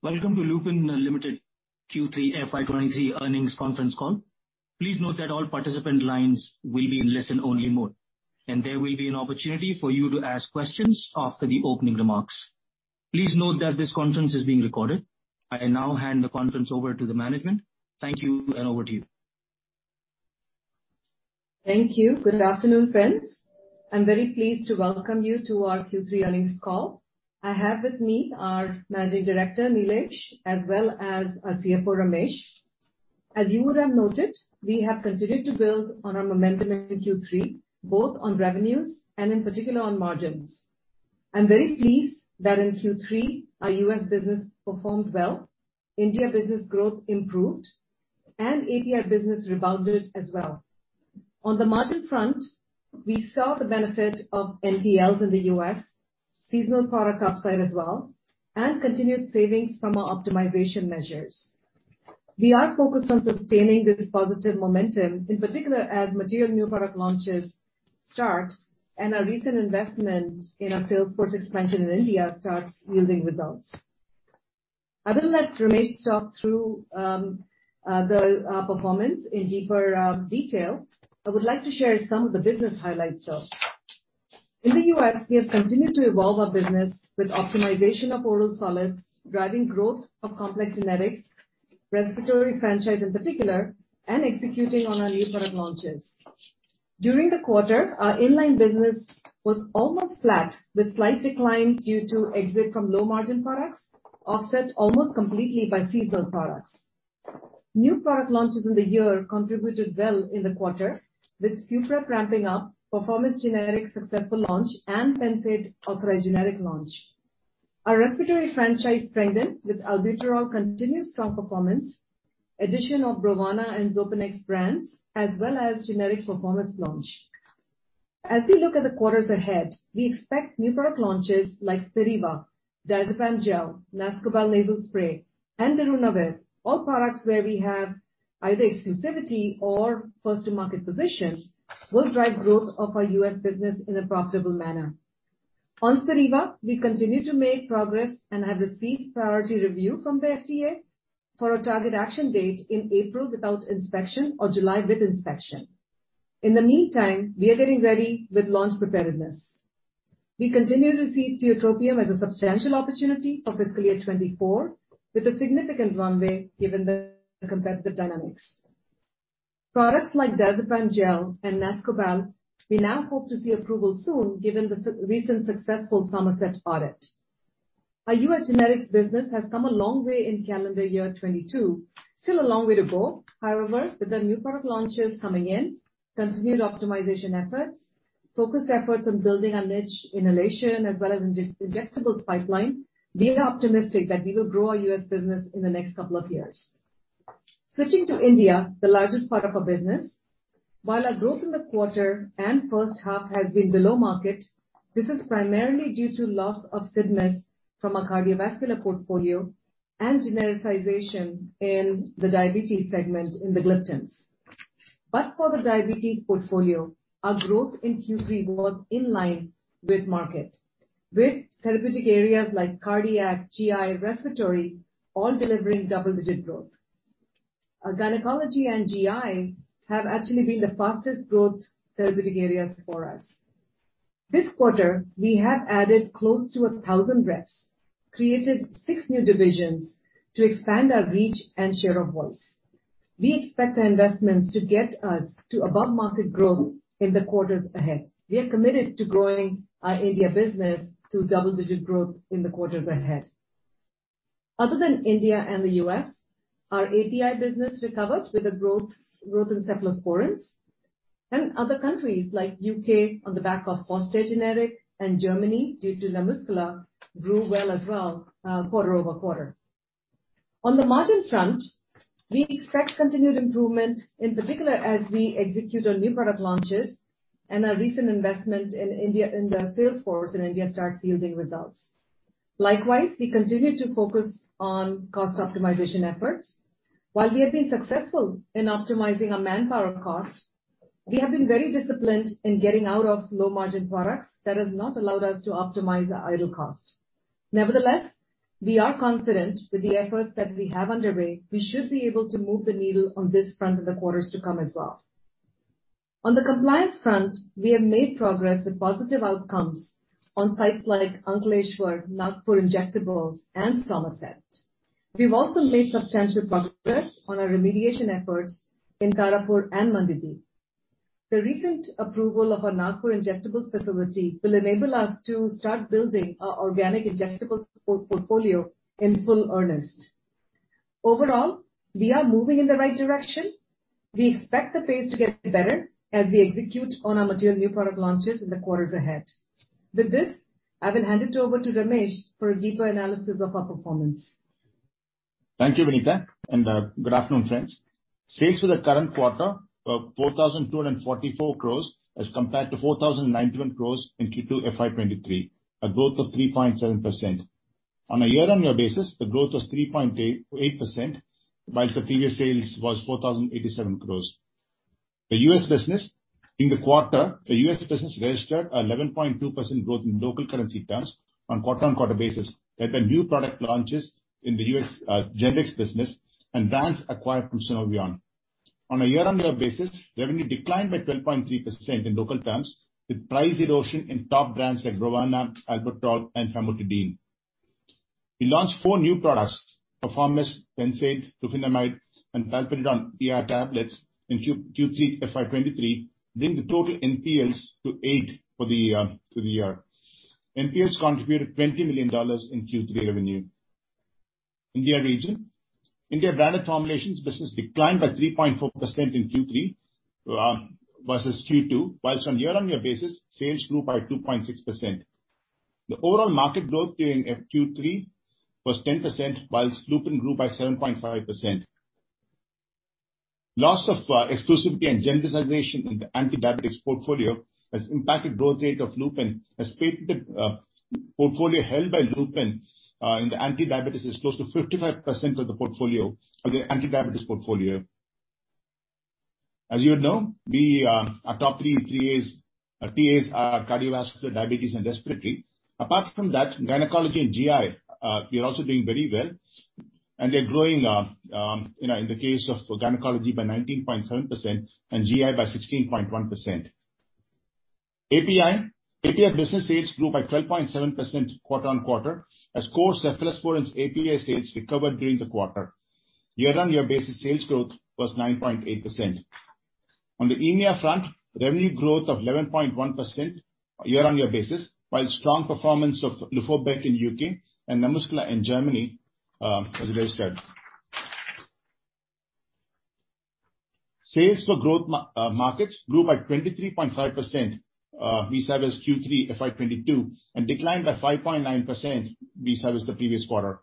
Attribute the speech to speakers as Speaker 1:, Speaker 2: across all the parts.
Speaker 1: Welcome to Lupin Limited Q3 FY23 earnings conference call. Please note that all participant lines will be in listen only mode, and there will be an opportunity for you to ask questions after the opening remarks. Please note that this conference is being recorded. I now hand the conference over to the management. Thank you, and over to you.
Speaker 2: Thank you. Good afternoon, friends. I'm very pleased to welcome you to our Q3 earnings call. I have with me our Managing Director, Nilesh, as well as our CFO, Ramesh. As you would have noted, we have continued to build on our momentum in Q3, both on revenues and in particular on margins. I'm very pleased that in Q3 our U.S. business performed well, India business growth improved, and API business rebounded as well. On the margin front, we saw the benefit of NPLs in the U.S., seasonal product upside as well, and continued savings from our optimization measures. We are focused on sustaining this positive momentum, in particular as material new product launches start and our recent investment in our sales force expansion in India starts yielding results. I will let Ramesh talk through the performance in deeper detail. I would like to share some of the business highlights, though. In the U.S., we have continued to evolve our business with optimization of oral solids, driving growth of complex generics, respiratory franchise in particular, and executing on our new product launches. During the quarter, our inline business was almost flat with slight decline due to exit from low-margin products, offset almost completely by seasonal products. New product launches in the year contributed well in the quarter with Suprep ramping up, performance generic successful launch, and Pennsaid authorized generic launch. Our respiratory franchise strengthened with Albuterol continued strong performance, addition of Brovana and Xopenex brands, as well as generic performance launch. As we look at the quarters ahead, we expect new product launches like Spiriva, diazepam gel, Nascobal nasal spray, and darunavir, all products where we have either exclusivity or first to market position, will drive growth of our U.S. business in a profitable manner. On Spiriva, we continue to make progress and have received priority review from the FDA for a target action date in April without inspection or July with inspection. In the meantime, we are getting ready with launch preparedness. We continue to see tiotropium as a substantial opportunity for fiscal year 2024, with a significant runway given the competitive dynamics. Products like diazepam gel and Nascobal, we now hope to see approval soon given the recent successful Somerset audit. Our U.S. generics business has come a long way in calendar year 2022. Still a long way to go, however, with the new product launches coming in, continued optimization efforts, focused efforts on building our niche inhalation as well as injectables pipeline, we are optimistic that we will grow our U.S. business in the next couple of years. Switching to India, the largest part of our business, while our growth in the quarter and first half has been below market, this is primarily due to loss of Sydnes from our cardiovascular portfolio and genericization in the diabetes segment in the gliptins. For the diabetes portfolio, our growth in Q3 was in line with market, with therapeutic areas like cardiac, GI, respiratory, all delivering double-digit growth. Our gynecology and GI have actually been the fastest growth therapeutic areas for us. This quarter, we have added close to 1,000 reps, created 6 new divisions to expand our reach and share of voice. We expect our investments to get us to above-market growth in the quarters ahead. We are committed to growing our India business to double-digit growth in the quarters ahead. Other than India and the U.S., our API business recovered with a growth in cephalosporins. Other countries like U.K. on the back of Foster generic and Germany due to NaMuscla grew well as well quarter-over-quarter. On the margin front, we expect continued improvement, in particular as we execute on new product launches and our recent investment in the sales force in India starts yielding results. Likewise, we continue to focus on cost optimization efforts. While we have been successful in optimizing our manpower cost, we have been very disciplined in getting out of low-margin products that have not allowed us to optimize our idle cost. Nevertheless, we are confident with the efforts that we have underway, we should be able to move the needle on this front in the quarters to come as well. On the compliance front, we have made progress with positive outcomes on sites like Ankleshwar, Nagpur Injectables, and Somerset. We've also made substantial progress on our remediation efforts in Tarapur and Mandideep. The recent approval of our Nagpur Injectables facility will enable us to start building our organic injectables portfolio in full earnest. Overall, we are moving in the right direction. We expect the pace to get better as we execute on our material new product launches in the quarters ahead. With this, I will hand it over to Ramesh for a deeper analysis of our performance.
Speaker 3: Thank you, Vinita, and good afternoon, friends. Sales for the current quarter were 4,244 crores as compared to 4,091 crores in Q2 FY23, a growth of 3.7%. On a year-on-year basis, the growth was 3.88%, while the previous sales was 4,087 crores. The U.S. business. In the quarter, the U.S. business registered 11.2% growth in local currency terms on quarter-on-quarter basis with the new product launches in the U.S. generic business and brands acquired from Sunovion. On a year-on-year basis, revenue declined by 12.3% in local terms with price erosion in top brands like Brovana, Albuterol and Famotidine. We launched four new products, Perforomist, Banzel, Rufinamide and Valproate ER tablets in Q3 FY23, bringing the total NPLs to eight for the year. NPLs contributed $20 million in Q3 revenue. India region. India Branded Formulations business declined by 3.4% in Q3 versus Q2, whilst on year-on-year basis, sales grew by 2.6%. The overall market growth during Q3 was 10%, whilst Lupin grew by 7.5%. Loss of exclusivity and genericization in the anti-diabetes portfolio has impacted growth rate of Lupin as patented portfolio held by Lupin in the anti-diabetes is close to 55% of the anti-diabetes portfolio. As you know, we, our top three TAs are cardiovascular, diabetes and respiratory. Apart from that, gynecology and GI, we are also doing very well, and they are growing, you know, in the case of gynecology by 19.7% and GI by 16.1%. API business sales grew by 12.7% quarter-on-quarter as core cephalosporins API sales recovered during the quarter. Year-on-year basis sales growth was 9.8%. On the EMEA front, revenue growth of 11.1% year-on-year basis, while strong performance of Luforbec in U.K. and NaMuscla in Germany has registered. Sales for growth markets grew by 23.5% vis-a-vis Q3 FY22, and declined by 5.9% vis-a-vis the previous quarter.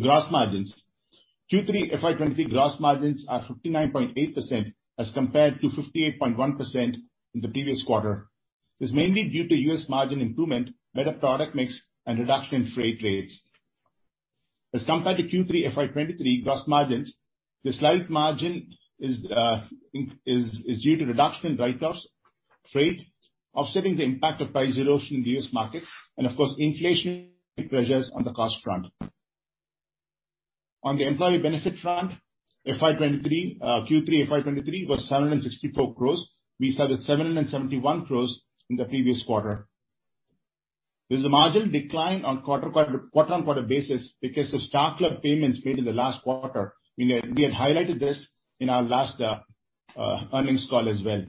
Speaker 3: Gross margins. Q3 FY23 gross margins are 59.8% as compared to 58.1% in the previous quarter. This is mainly due to U.S. margin improvement, better product mix and reduction in freight rates. Compared to Q3 FY23 gross margins, the slight margin is due to reduction in write-offs, freight, offsetting the impact of price erosion in the U.S. market and of course, inflationary pressures on the cost front. On the employee benefit front, FY23 Q3 FY23 was 764 crores vis-a-vis 771 crores in the previous quarter. There's a marginal decline on quarter-on-quarter basis because of channel stocking payments made in the last quarter. We had highlighted this in our last earnings call as well.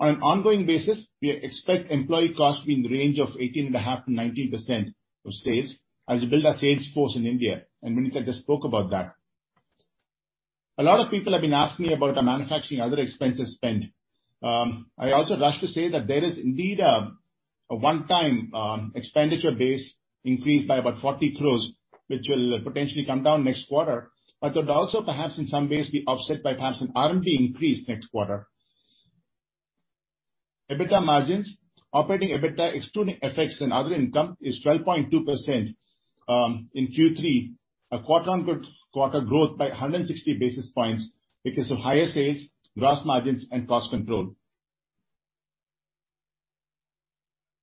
Speaker 3: On an ongoing basis, we expect employee cost to be in the range of 18.5%-19% of sales as we build our sales force in India. Vinita just spoke about that. A lot of people have been asking me about our manufacturing other expenses spend. I also rush to say that there is indeed a one-time expenditure base increase by about 40 crores, which will potentially come down next quarter. It also perhaps in some ways be offset by perhaps an R&D increase next quarter. EBITDA margins. Operating EBITDA, excluding effects and other income, is 12.2%, in Q3, a quarter-on-quarter growth by 160 basis points because of higher sales, gross margins and cost control.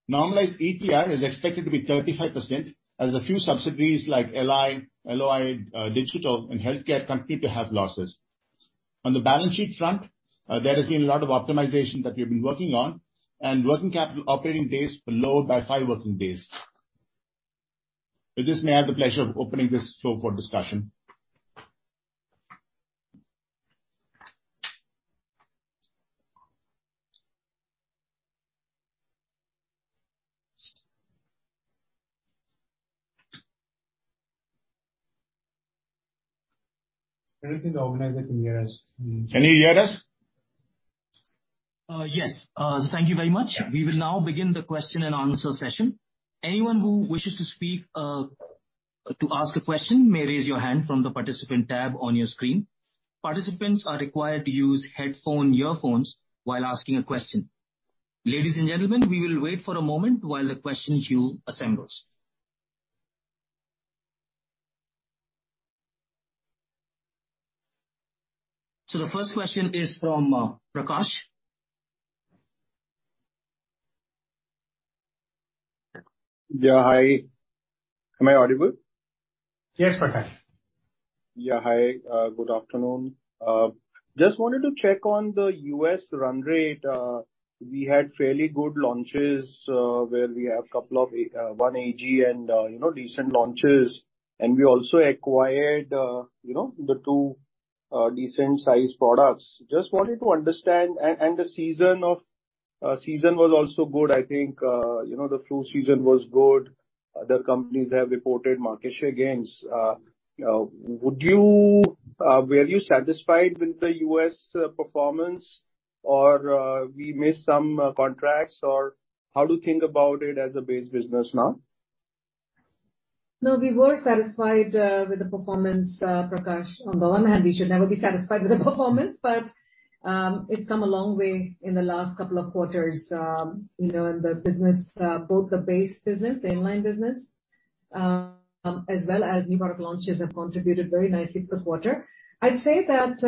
Speaker 3: Normalized ETR is expected to be 35% as a few subsidiaries like LLI, LOI, Digistat and Healthcare continue to have losses. On the balance sheet front, there has been a lot of optimization that we've been working on and working capital operating days below by five working days. With this, may I have the pleasure of opening this floor for discussion.
Speaker 4: I don't think the organizer can hear us.
Speaker 3: Can you hear us?
Speaker 1: Yes. Thank you very much.
Speaker 3: Yeah.
Speaker 1: We will now begin the question and answer session. Anyone who wishes to speak, to ask a question may raise your hand from the Participant tab on your screen. Participants are required to use headphone earphones while asking a question. Ladies and gentlemen, we will wait for a moment while the question queue assembles. The first question is from Prakash.
Speaker 5: Yeah. Hi. Am I audible?
Speaker 3: Yes, Prakash.
Speaker 5: Yeah. Hi. Good afternoon. Just wanted to check on the U.S. run rate. We had fairly good launches, where we have couple of one AG and, you know, decent launches, and we also acquired, you know, the two decent sized products. Just wanted to understand. The season of, season was also good. I think, you know, the flu season was good. Other companies have reported market share gains. Would you were you satisfied with the U.S. performance, or we missed some contracts? How do you think about it as a base business now?
Speaker 2: No, we were satisfied with the performance, Prakash. On the one hand, we should never be satisfied with the performance, but it's come a long way in the last couple of quarters. You know, in the business, both the base business, the in-line business as well as new product launches have contributed very nicely this quarter. I'd say that,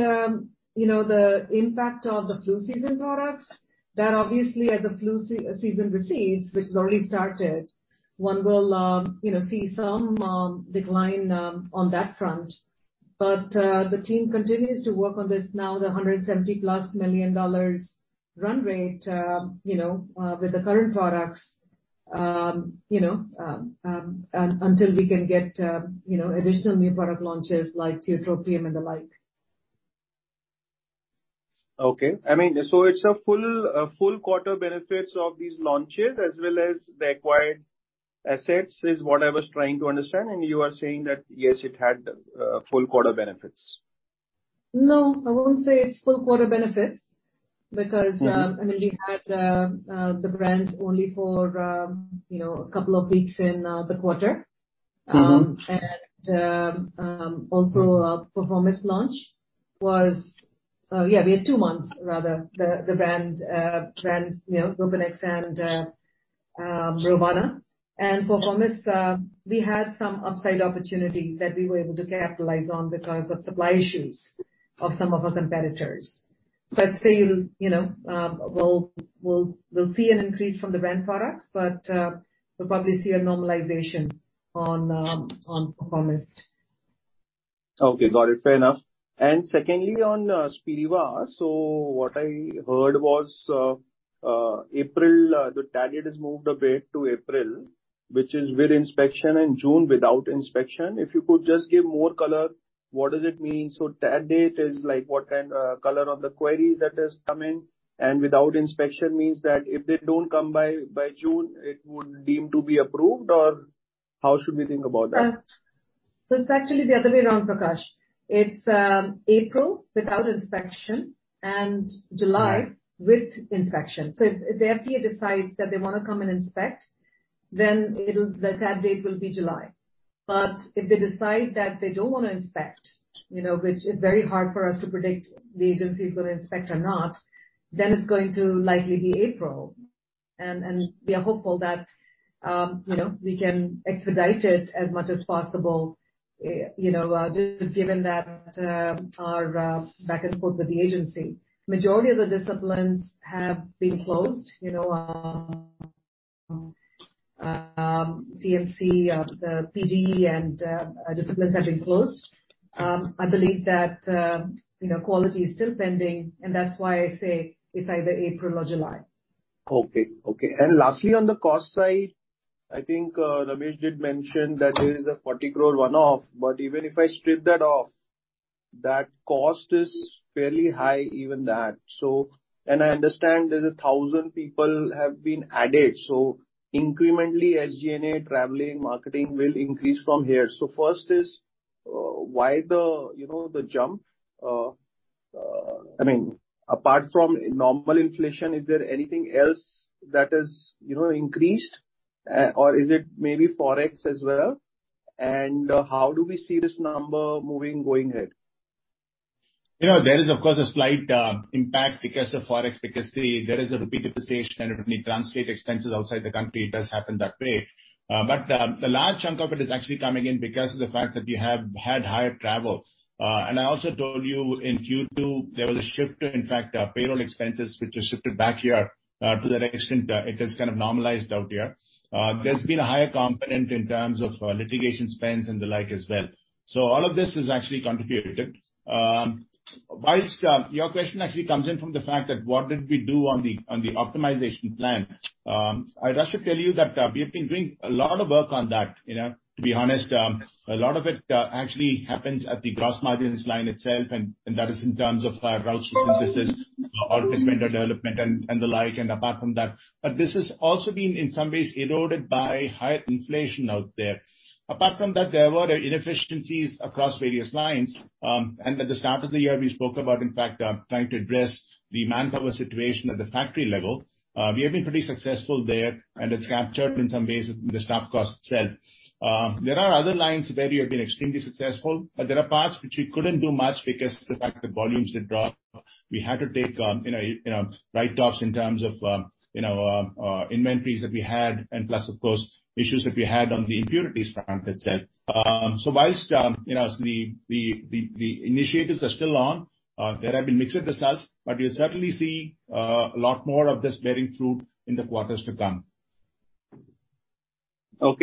Speaker 2: you know, the impact of the flu season products, that obviously as the flu season recedes, which has already started, one will, you know, see some decline on that front. The team continues to work on this now, the $170+ million run rate, you know, with the current products, you know, until we can get, you know, additional new product launches like tiotropium and the like.
Speaker 5: Okay. I mean, it's a full quarter benefits of these launches as well as the acquired assets, is what I was trying to understand. You are saying that, yes, it had full quarter benefits.
Speaker 2: I won't say it's full quarter benefits.
Speaker 5: Mm-hmm.
Speaker 2: I mean, we had, the brands only for, you know, a couple of weeks in, the quarter.
Speaker 5: Mm-hmm.
Speaker 2: Also, yeah, we had two months rather, the brand, you know, Rubonex and Rubana. Performance, we had some upside opportunity that we were able to capitalize on because of supply issues of some of our competitors. I'd say, you'll, you know, we'll see an increase from the brand products, but we'll probably see a normalization on performance.
Speaker 5: Okay. Got it. Fair enough. Secondly, on Spiriva. What I heard was, April, the target is moved a bit to April, which is with inspection, in June without inspection. If you could just give more color, what does it mean? That date is like, what kind, color of the query that has come in. Without inspection means that if they don't come by June, it would deem to be approved, or how should we think about that?
Speaker 2: It's actually the other way around, Prakash. It's April without inspection and July with inspection. If the FDA decides that they wanna come and inspect, then it'll the tab date will be July. If they decide that they don't wanna inspect, you know, which is very hard for us to predict the agency is gonna inspect or not, then it's going to likely be April. We are hopeful that, you know, we can expedite it as much as possible, you know, just given that our back and forth with the agency. Majority of the disciplines have been closed. You know, CMC, the PGE and disciplines have been closed. I believe that, you know, quality is still pending, and that's why I say it's either April or July.
Speaker 5: Okay. Okay. Lastly, on the cost side, I think Ramesh did mention that there is a 40 crore one-off, but even if I strip that off, that cost is fairly high, even that. I understand there's a 1,000 people have been added, so incrementally, SG&A, traveling, marketing will increase from here. First is, why the, you know, the jump? I mean, apart from normal inflation, is there anything else that has, you know, increased, or is it maybe Forex as well? How do we see this number moving going ahead?
Speaker 3: You know, there is of course a slight impact because of Forex, because there is a rupee depreciation and it will translate expenses outside the country. It does happen that way. A large chunk of it is actually coming in because of the fact that we have had higher travel. I also told you in Q2, there was a shift, in fact, payroll expenses which were shifted back here, to the extent it has kind of normalized out here. There's been a higher component in terms of litigation spends and the like as well. All of this has actually contributed. Whilst your question actually comes in from the fact that what did we do on the, on the optimization plan. I'd actually tell you that we have been doing a lot of work on that, you know. To be honest, a lot of it actually happens at the gross margins line itself, and that is in terms of route system synthesis or spend under development and the like, and apart from that. This has also been, in some ways, eroded by higher inflation out there. Apart from that, there were inefficiencies across various lines. At the start of the year, we spoke about, in fact, trying to address the manpower situation at the factory level. We have been pretty successful there, and it's captured in some ways the staff cost itself. There are other lines where we have been extremely successful, but there are parts which we couldn't do much because the fact that volumes did drop. We had to take, you know, write-offs in terms of, you know, inventories that we had, and plus of course, issues that we had on the impurities front itself. Whilst, you know, the initiatives are still on, there have been mixed results, but we'll certainly see a lot more of this bearing fruit in the quarters to come.
Speaker 5: Our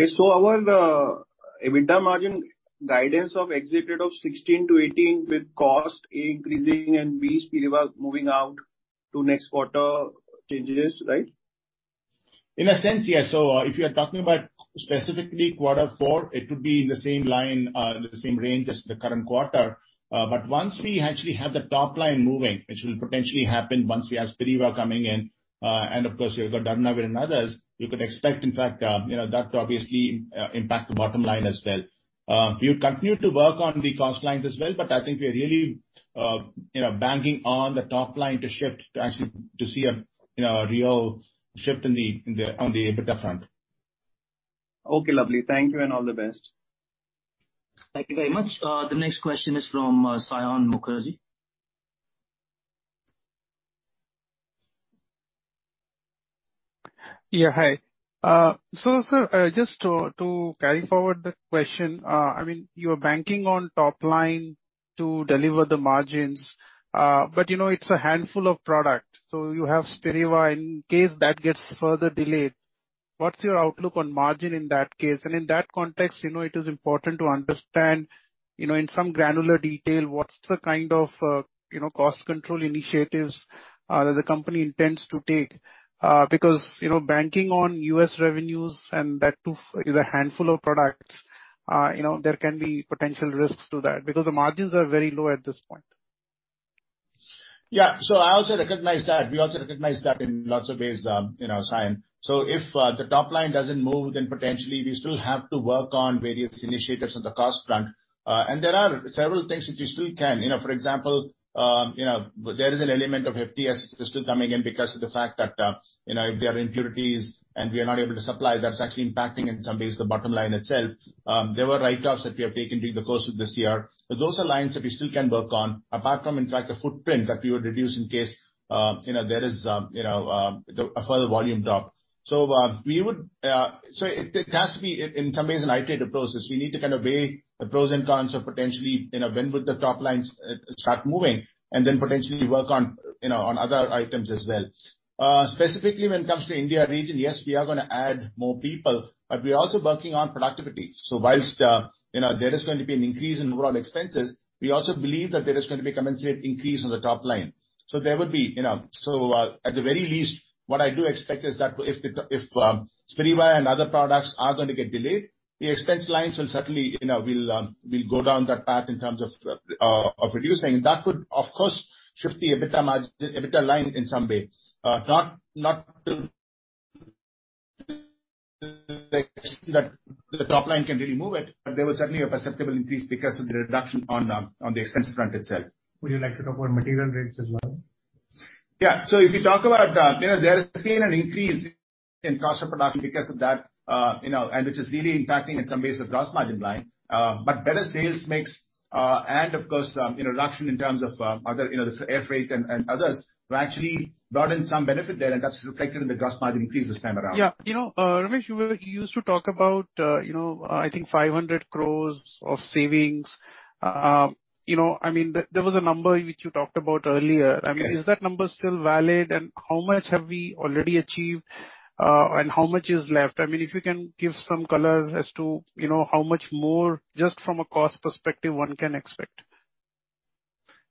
Speaker 5: EBITDA margin guidance of ex-Zydus 16%-18% with cost increasing and with Spiriva moving out to next quarter changes, right?
Speaker 3: In a sense, yes. If you are talking about specifically Q4, it would be in the same line, the same range as the current quarter. Once we actually have the top line moving, which will potentially happen once we have Spiriva coming in, and of course, you've got darunavir and others, you could expect, in fact, you know, that to obviously impact the bottom line as well. We'll continue to work on the cost lines as well, but I think we are really, you know, banking on the top line to shift to actually, to see a, you know, a real shift in the, on the EBITDA front.
Speaker 5: Okay, lovely. Thank you and all the best.
Speaker 1: Thank you very much. The next question is from Saion Mukherjee.
Speaker 6: Yeah, hi. Sir, just to carry forward the question, I mean, you are banking on top line to deliver the margins. You know, it's a handful of product. You have Spiriva. In case that gets further delayed, what's your outlook on margin in that case? In that context, you know, it is important to understand, you know, in some granular detail, what's the kind of, you know, cost control initiatives that the company intends to take. Because, you know, banking on U.S. revenues, and that too is a handful of products, you know, there can be potential risks to that, because the margins are very low at this point.
Speaker 3: Yeah. I also recognize that. We also recognize that in lots of ways, you know, Saion. If the top line doesn't move, then potentially we still have to work on various initiatives on the cost front. There are several things which we still can. You know, for example, you know, there is an element of FTF still coming in because of the fact that, you know, if there are impurities and we are not able to supply, that's actually impacting in some ways the bottom line itself. There were write-offs that we have taken during the course of this year. Those are lines that we still can work on, apart from in fact the footprint that we would reduce in case, you know, there is, you know, a further volume drop. We would... It has to be in some ways an iterative process. We need to kind of weigh the pros and cons of potentially, you know, when would the top lines start moving, and then potentially work on, you know, on other items as well. Specifically when it comes to India region, yes, we are gonna add more people, but we're also working on productivity. Whilst, you know, there is going to be an increase in overall expenses, we also believe that there is gonna be commensurate increase on the top line. There would be, you know. At the very least, what I do expect is that if Spiriva and other products are gonna get delayed, the expense lines will certainly, you know, will go down that path in terms of reducing. That could, of course, shift the EBITDA margin, the EBITDA line in some way. Not till that the top line can really move it, but there will certainly a perceptible increase because of the reduction on the expense front itself.
Speaker 6: Would you like to talk about material rates as well?
Speaker 3: Yeah. If you talk about, you know, there has been an increase in cost of production because of that, you know, which is really impacting in some ways the gross margin line. Better sales mix, and of course, you know, reduction in terms of other, you know, the air freight and others, we're actually brought in some benefit there, that's reflected in the gross margin increase this time around.
Speaker 6: Yeah. You know, Ramesh, You used to talk about, you know, I think 500 crores of savings. You know, I mean, there was a number which you talked about earlier.
Speaker 3: Yes.
Speaker 6: I mean, is that number still valid, and how much have we already achieved, and how much is left? I mean, if you can give some color as to, you know, how much more just from a cost perspective one can expect.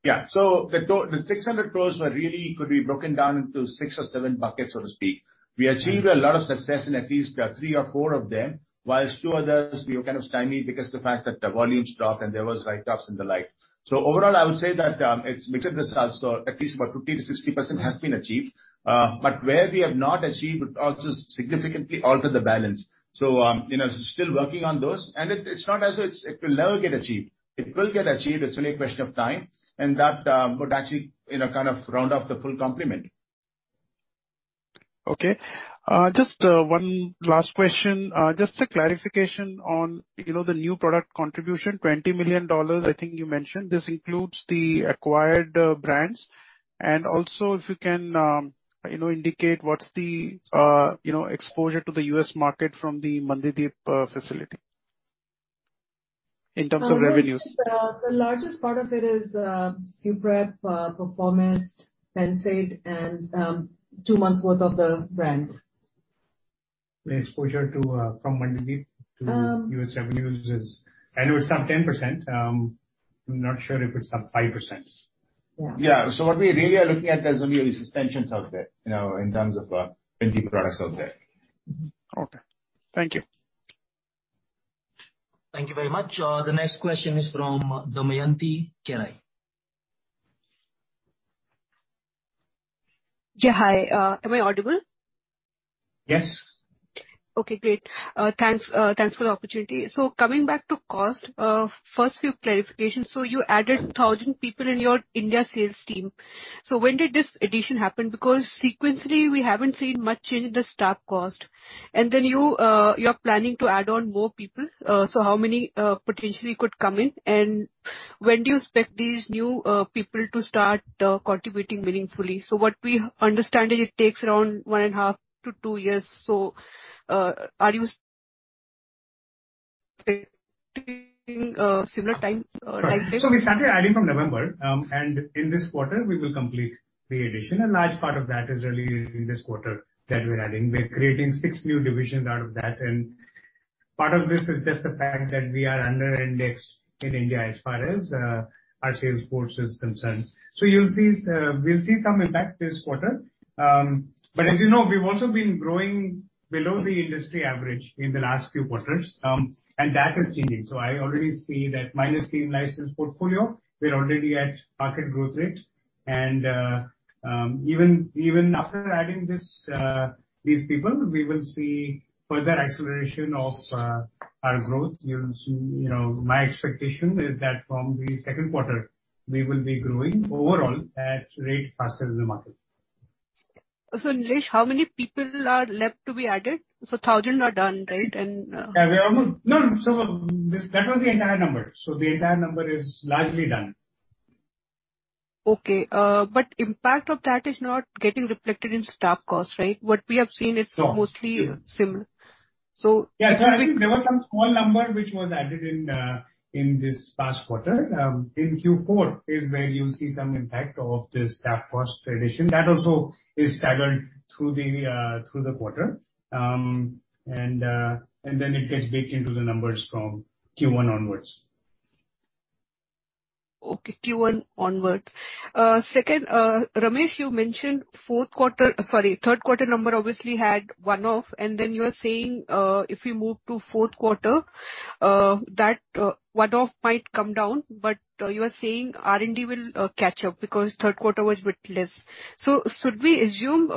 Speaker 3: The 600 crores were really could be broken down into six or seven buckets, so to speak. We achieved a lot of success in at least three or four of them, whilst two others we were kind of stymied because the fact that the volumes dropped and there was write-offs and the like. Overall, I would say that it's mixed results. At least about 50%-60% has been achieved. But where we have not achieved would also significantly alter the balance. You know, still working on those. It's not as if it will never get achieved. It will get achieved, it's only a question of time, and that would actually, you know, kind of round up the full complement.
Speaker 6: Okay. just one last question. just a clarification on, you know, the new product contribution, $20 million, I think you mentioned. This includes the acquired brands. Also if you can, you know, indicate what's the, you know, exposure to the U.S. market from the Mandideep facility in terms of revenues?
Speaker 2: The largest part of it is Suprep, Perforomist, Sensate, and two months worth of the brands.
Speaker 4: The exposure to, from Mandideep. U.S. revenues is, I know it's up 10%. I'm not sure if it's up 5%.
Speaker 3: Yeah. What we really are looking at is only suspensions out there, you know, in terms of NP products out there.
Speaker 6: Mm-hmm. Okay. Thank you.
Speaker 1: Thank you very much. The next question is from Damayanti Kerai.
Speaker 7: Hi. Am I audible?
Speaker 3: Yes.
Speaker 7: Okay, great. Thanks, thanks for the opportunity. Coming back to cost, first few clarifications. You added 1,000 people in your India sales team. When did this addition happen? Because sequentially we haven't seen much change in the staff cost. You're planning to add on more people. How many potentially could come in? When do you expect these new people to start contributing meaningfully? What we understand is it takes around one and a half to two years. Are you expecting a similar time timeframe?
Speaker 4: We started adding from November. In this quarter we will complete the addition. A large part of that is really in this quarter that we're adding. We're creating six new divisions out of that. Part of this is just the fact that we are under indexed in India as far as our sales force is concerned. You'll see we'll see some impact this quarter. As you know, we've also been growing below the industry average in the last few quarters, and that is changing. I already see that minus team licensed portfolio, we're already at market growth rate. Even after adding this these people, we will see further acceleration of our growth. You'll see, you know. My expectation is that from the second quarter, we will be growing overall at rate faster than the market.
Speaker 7: Nilesh, how many people are left to be added? 1,000 are done, right?
Speaker 4: No, that was the entire number. The entire number is largely done.
Speaker 7: Okay. Impact of that is not getting reflected in staff costs, right? What we have seen is mostly similar.
Speaker 4: Yeah. I think there was some small number which was added in in this past quarter. In Q4 is where you'll see some impact of this staff cost tradition. That also is staggered through the through the quarter. Then it gets baked into the numbers from Q1 onwards.
Speaker 7: Okay. Q1 onwards. Second, Ramesh, you mentioned Q4. Sorry, Q3 number obviously had one-off. You are saying, if we move to Q4, that one-off might come down. You are saying R&D will catch up because Q3 was bit less. Should we assume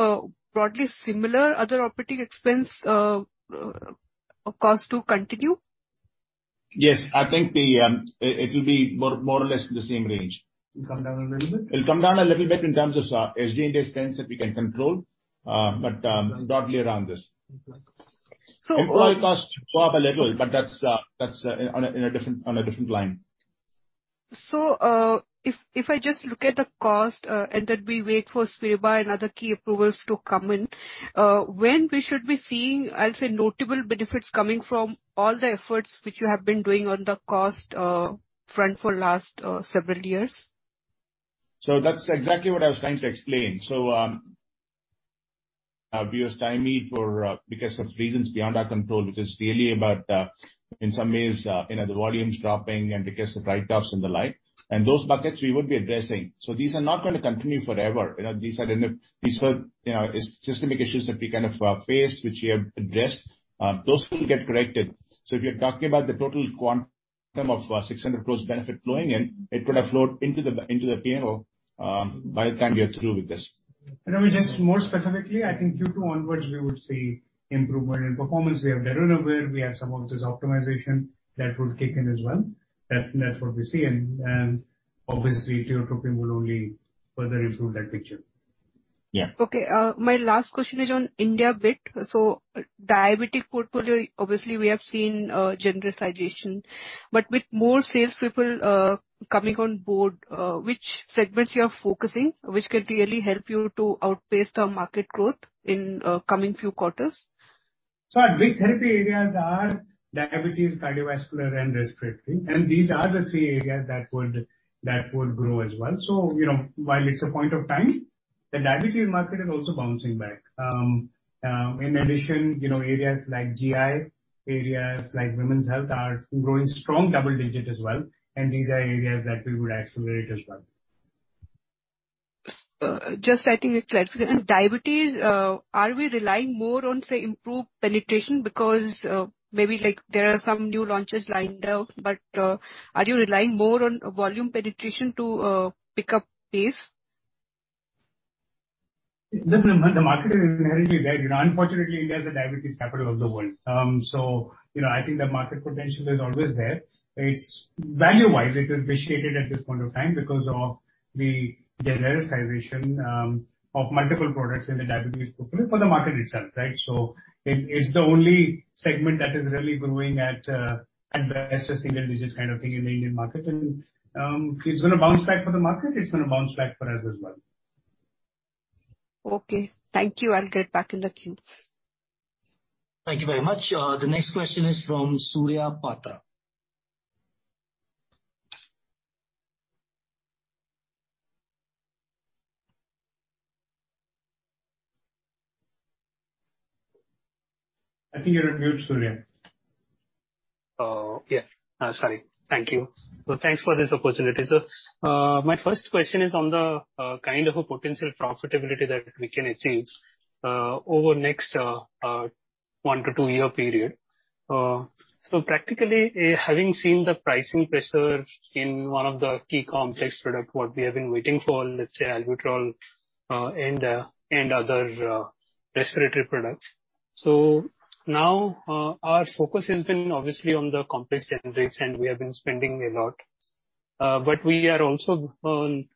Speaker 7: broadly similar other operating expense cost to continue?
Speaker 3: Yes. I think the it will be more or less the same range.
Speaker 4: It'll come down a little bit.
Speaker 3: It'll come down a little bit in terms of SG&A expense that we can control, but broadly around this.
Speaker 7: So all-
Speaker 3: Employee costs go up a level, but that's on a, in a different, on a different line.
Speaker 7: If I just look at the cost, and that we wait for Spiriva and other key approvals to come in, when we should be seeing, I'll say, notable benefits coming from all the efforts which you have been doing on the cost front for last several years?
Speaker 3: That's exactly what I was trying to explain. We were stymied for because of reasons beyond our control, which is really about in some ways, you know, the volumes dropping and because of write-offs and the like. Those buckets we would be addressing, so these are not gonna continue forever. These were, you know, systemic issues that we kind of faced, which we have addressed. Those will get corrected. If you're talking about the total quantum of 600 plus benefit flowing in, it could have flowed into the, into the P&L, by the time we are through with this.
Speaker 4: Ramesh, just more specifically, I think Q2 onwards we would see improvement in performance. We have darunavir, we have some of this optimization that would kick in as well. That's what we see. Obviously, tiotropium will only further improve that picture.
Speaker 3: Yeah.
Speaker 7: Okay. My last question is on India bit. Diabetic portfolio, obviously we have seen genericization. With more sales people coming on board, which segments you are focusing which can really help you to outpace the market growth in coming few quarters?
Speaker 4: Our big therapy areas are diabetes, cardiovascular and respiratory. These are the three areas that would grow as well. You know, while it's a point of time, the diabetes market is also bouncing back. In addition, you know, areas like GI, areas like women's health are growing strong double-digit as well. These are areas that we would accelerate as well.
Speaker 7: Just I think it's like diabetes, are we relying more on, say, improved penetration? Maybe like there are some new launches lined up, but are you relying more on volume penetration to pick up pace?
Speaker 4: The market is inherently there. You know, unfortunately India is the diabetes capital of the world. You know, I think the market potential is always there. Value-wise, it is vitiated at this point of time because of the genericization of multiple products in the diabetes portfolio for the market itself, right? It's the only segment that is really growing at best a single digit kind of thing in the Indian market. If it's gonna bounce back for the market, it's gonna bounce back for us as well.
Speaker 7: Okay. Thank you. I'll get back in the queue.
Speaker 1: Thank you very much. The next question is from Surya Patra.
Speaker 4: I think you're on mute, Surya.
Speaker 8: Oh, yeah. Sorry. Thank you. Thanks for this opportunity, sir. My first question is on the kind of a potential profitability that we can achieve over next one to two-year period. Practically, having seen the pricing pressure in one of the key complex products, what we have been waiting for, let's say Albuterol, and other respiratory products. Now, our focus has been obviously on the complex generics, and we have been spending a lot. We are also on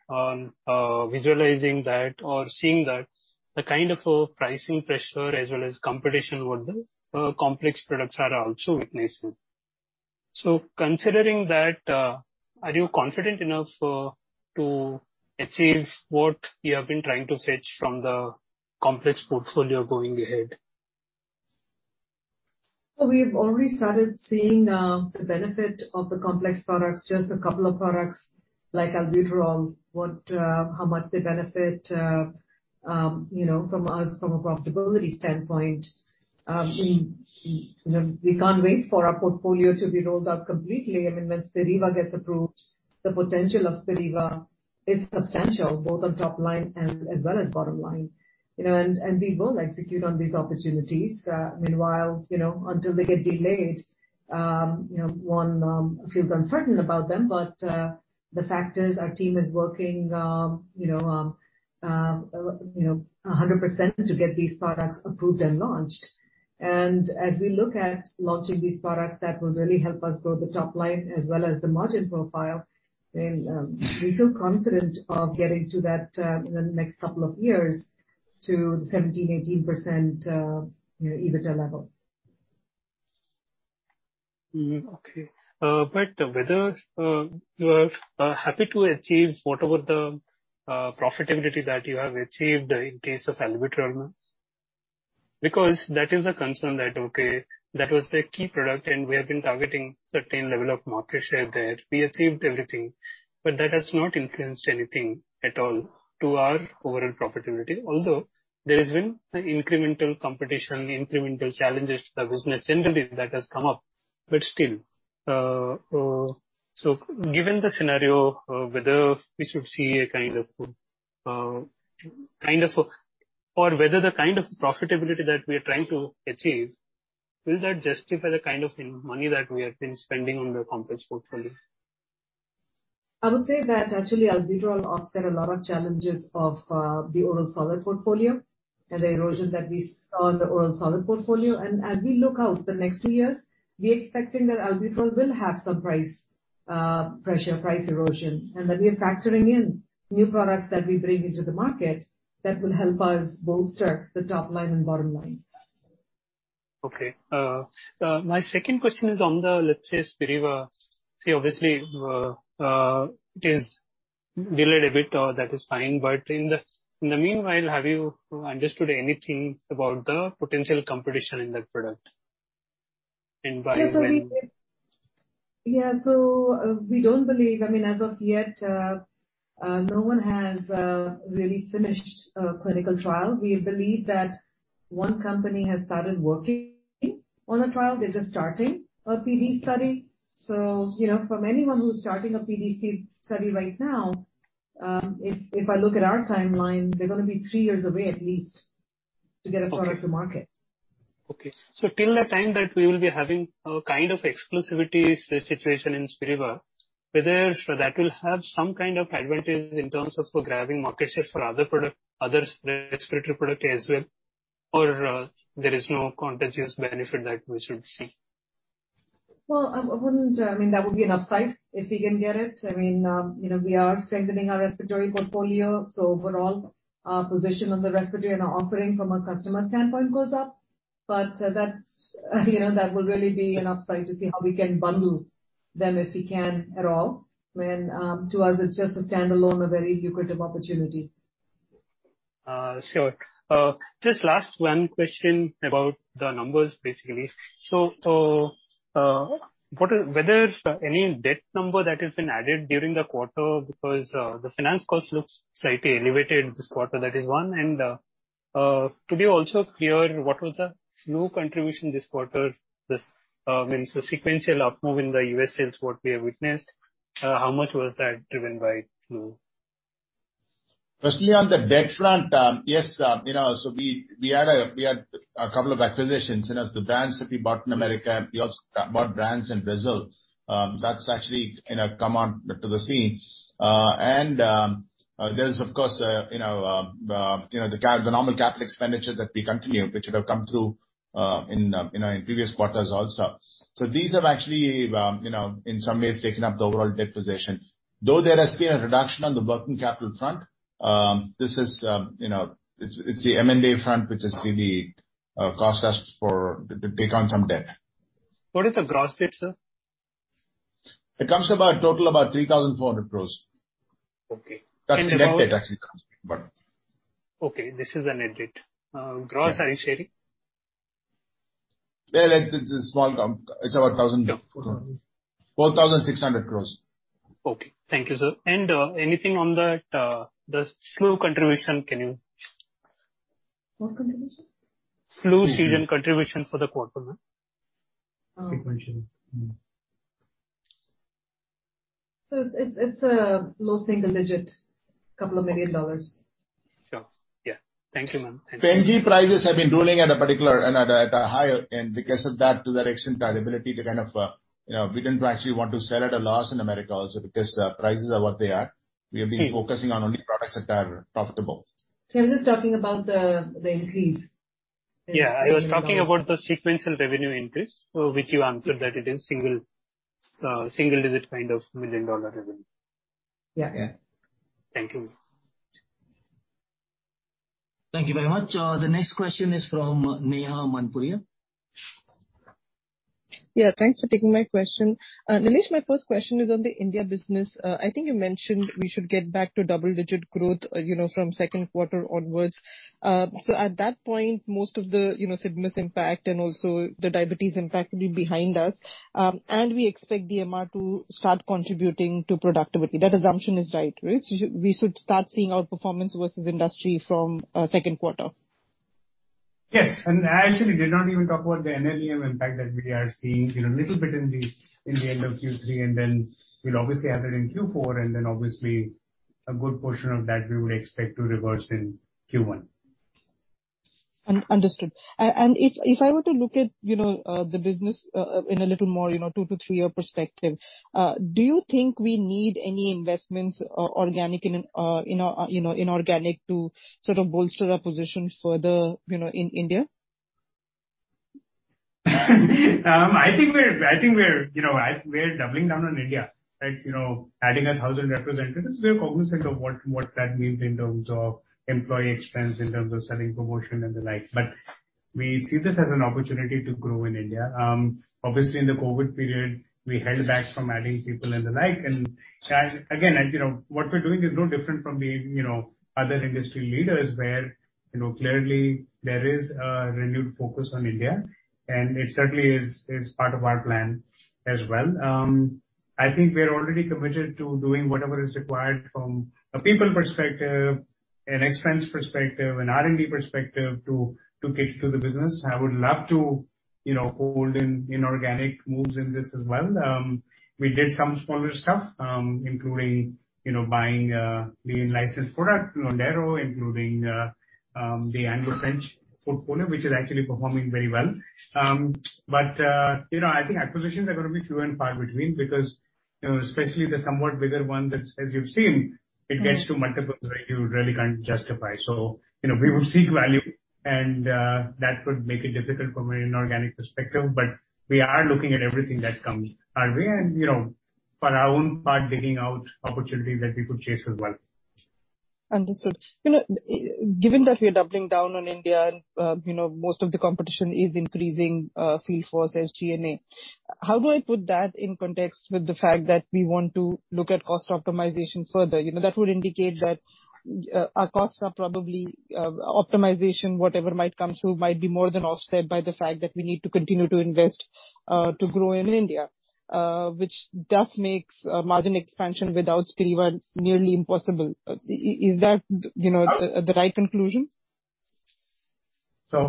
Speaker 8: visualizing that or seeing that the kind of a pricing pressure as well as competition with the complex products are also witnessing. Considering that, are you confident enough to achieve what you have been trying to fetch from the complex portfolio going ahead?
Speaker 2: We've already started seeing the benefit of the complex products, just a couple of products like Albuterol, what, how much they benefit, you know, from us from a profitability standpoint. We, you know, we can't wait for our portfolio to be rolled out completely. I mean, when Spiriva gets approved, the potential of Spiriva is substantial, both on top line and as well as bottom line. You know, we will execute on these opportunities. Meanwhile, you know, until they get delayed, you know, one feels uncertain about them. The fact is our team is working, you know, 100% to get these products approved and launched. As we look at launching these products, that will really help us grow the top line as well as the margin profile. We feel confident of getting to that, in the next couple of years to 17%-18%, you know, EBITDA level.
Speaker 8: Okay. Whether you are happy to achieve whatever the profitability that you have achieved in case of Albuterol now? That is a concern that, okay, that was their key product, and we have been targeting certain level of market share there. We achieved everything, that has not influenced anything at all to our overall profitability. There has been incremental competition, incremental challenges to the business generally that has come up. Still, given the scenario, whether we should see a kind of, or whether the kind of profitability that we are trying to achieve, will that justify the kind of in-money that we have been spending on the complex portfolio?
Speaker 2: I would say that actually Albuterol offset a lot of challenges of the oral solid portfolio and the erosion that we saw in the oral solid portfolio. As we look out the next two years, we're expecting that Albuterol will have some price pressure, price erosion, and that we are factoring in new products that we bring into the market that will help us bolster the top line and bottom line.
Speaker 8: Okay. My second question is on the, let's say, Spiriva. See, obviously, it is delayed a bit, that is fine. In the, in the meanwhile, have you understood anything about the potential competition in that product and why?
Speaker 2: We don't believe, I mean, as of yet, no one has really finished a clinical trial. We believe that one company has started working on a trial. They're just starting a PD study. You know, from anyone who's starting a PDC study right now, if I look at our timeline, they're gonna be three years away at least a product to market.
Speaker 8: Okay. Till the time that we will be having a kind of exclusivity situation in Spiriva, whether that will have some kind of advantage in terms of grabbing market share for other product, other respiratory product as well, or there is no contentious benefit that we should see?
Speaker 2: Well, I wouldn't. I mean, you know, we are strengthening our respiratory portfolio. Overall our position on the respiratory and our offering from a customer standpoint goes up. That's, you know, that would really be an upside to see how we can bundle them if we can at all. I mean, to us, it's just a standalone, a very lucrative opportunity.
Speaker 8: Sure. Just last one question about the numbers, basically. Whether any debt number that has been added during the quarter because the finance cost looks slightly elevated this quarter. That is one. Could you also clear what was the flu contribution this quarter? This, I mean, so sequential up move in the U.S. sales, what we have witnessed, how much was that driven by flu?
Speaker 3: Firstly, on the debt front, yes, you know, we had a couple of acquisitions, you know. The brands that we bought in America, we also bought brands in Brazil, that's actually, you know, come on to the scene. There's of course, you know, the normal capital expenditure that we continue, which would have come through in previous quarters also. These have actually, you know, in some ways taken up the overall debt position. Though there has been a reduction on the working capital front, this is, you know, it's the M&A front which has really cost us to take on some debt.
Speaker 8: What is the gross debt, sir?
Speaker 3: It comes to about total about 3,400 crore.
Speaker 8: Okay.
Speaker 3: That's net debt actually.
Speaker 8: Okay, this is the net debt. Gross, are you sharing?
Speaker 3: Well, it's a small it's about thousand, 4,600 crores.
Speaker 8: Okay. Thank you, sir. Anything on that, the flu contribution, can you?
Speaker 2: What contribution?
Speaker 8: Flu season contribution for the quarter, ma'am?
Speaker 2: Oh.
Speaker 8: Sequential.
Speaker 2: It's low single digit. Couple of million dollars.
Speaker 8: Sure. Yeah. Thank you, ma'am. Thank you.
Speaker 3: P&G prices have been ruling at a higher, and because of that, to that extent, our ability to kind of, you know, we didn't actually want to sell at a loss in America also because, prices are what they are. We have been focusing on only products that are profitable.
Speaker 2: He was just talking about the increase.
Speaker 8: Yeah. I was talking about the sequential revenue increase, which you answered that it is single digit kind of million-dollar revenue.
Speaker 2: Yeah.
Speaker 3: Yeah.
Speaker 8: Thank you.
Speaker 1: Thank you very much. The next question is from Neha Manpuria.
Speaker 9: Yeah, thanks for taking my question. Nilesh, my first question is on the India business. I think you mentioned we should get back to double-digit growth, you know, from Q2 onwards. At that point, most of the, you know, Sigmus impact and also the diabetes impact will be behind us, and we expect the MR to start contributing to productivity. That assumption is right? We should start seeing our performance versus industry from second quarter.
Speaker 4: Yes. I actually did not even talk about the NLEM impact that we are seeing, you know, a little bit in the, in the end of Q3, and then we'll obviously have it in Q4. Obviously a good portion of that we would expect to reverse in Q1.
Speaker 9: If I were to look at, you know, the business in a little more, you know, two to three-year perspective, do you think we need any investments, organic and, you know, inorganic to sort of bolster our position further, you know, in India?
Speaker 4: I think we're, you know, we're doubling down on India, right? You know, adding 1,000 representatives. We are cognizant of what that means in terms of employee expense, in terms of selling promotion and the like. We see this as an opportunity to grow in India. Obviously in the COVID period, we held back from adding people and the like. Again, and you know, what we're doing is no different from the, you know, other industry leaders where, you know, clearly there is a renewed focus on India, and it certainly is part of our plan as well. I think we're already committed to doing whatever is required from a people perspective, an expense perspective, an R&D perspective to get to the business. I would love to, you know, hold in inorganic moves in this as well. We did some smaller stuff, including, you know, buying the licensed product, Nondero, including the Anglo French portfolio which is actually performing very well. You know, I think acquisitions are gonna be few and far between because, you know, especially the somewhat bigger ones, as you've seen, it gets to multiples where you really can't justify. You know, we would seek value and that would make it difficult from an inorganic perspective, but we are looking at everything that comes our way and, you know, for our own part, digging out opportunities that we could chase as well.
Speaker 9: Understood. You know, given that we are doubling down on India and, you know, most of the competition is increasing field force as G&A, how do I put that in context with the fact that we want to look at cost optimization further? You know, that would indicate that our costs are probably optimization, whatever might come through, might be more than offset by the fact that we need to continue to invest to grow in India, which does make margin expansion without Spiriva nearly impossible. Is that, you know, the right conclusion?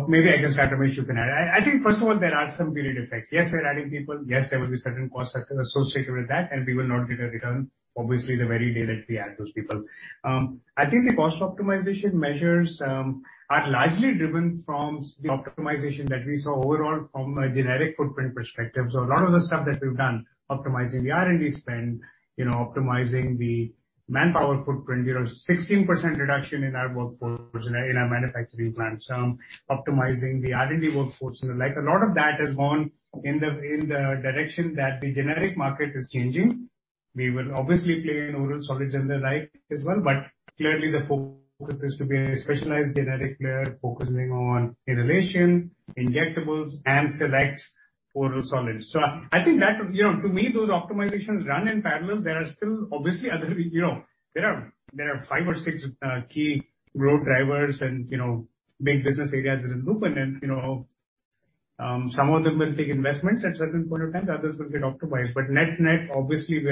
Speaker 4: Maybe, I guess, Ramesh, you can add. I think first of all there are some period effects. Yes, we are adding people. Yes, there will be certain costs that are associated with that, and we will not get a return, obviously, the very day that we add those people. I think the cost optimization measures are largely driven from the optimization that we saw overall from a generic footprint perspective. A lot of the stuff that we've done optimizing the R&D spend, you know, optimizing the manpower footprint. You know, 16% reduction in our workforce, in our manufacturing plants. Optimizing the R&D workforce and the like. A lot of that has gone in the direction that the generic market is changing. We will obviously play in oral solids and the like as well, but clearly the focus is to be a specialized generic player focusing on inhalation, injectables, and select oral solids. I think that. You know, to me, those optimizations run in parallel. There are still obviously other. You know, there are five or six key growth drivers and, you know, big business areas within Lupin, and, you know, some of them will take investments at certain point of time, the others will get optimized. Net-net, obviously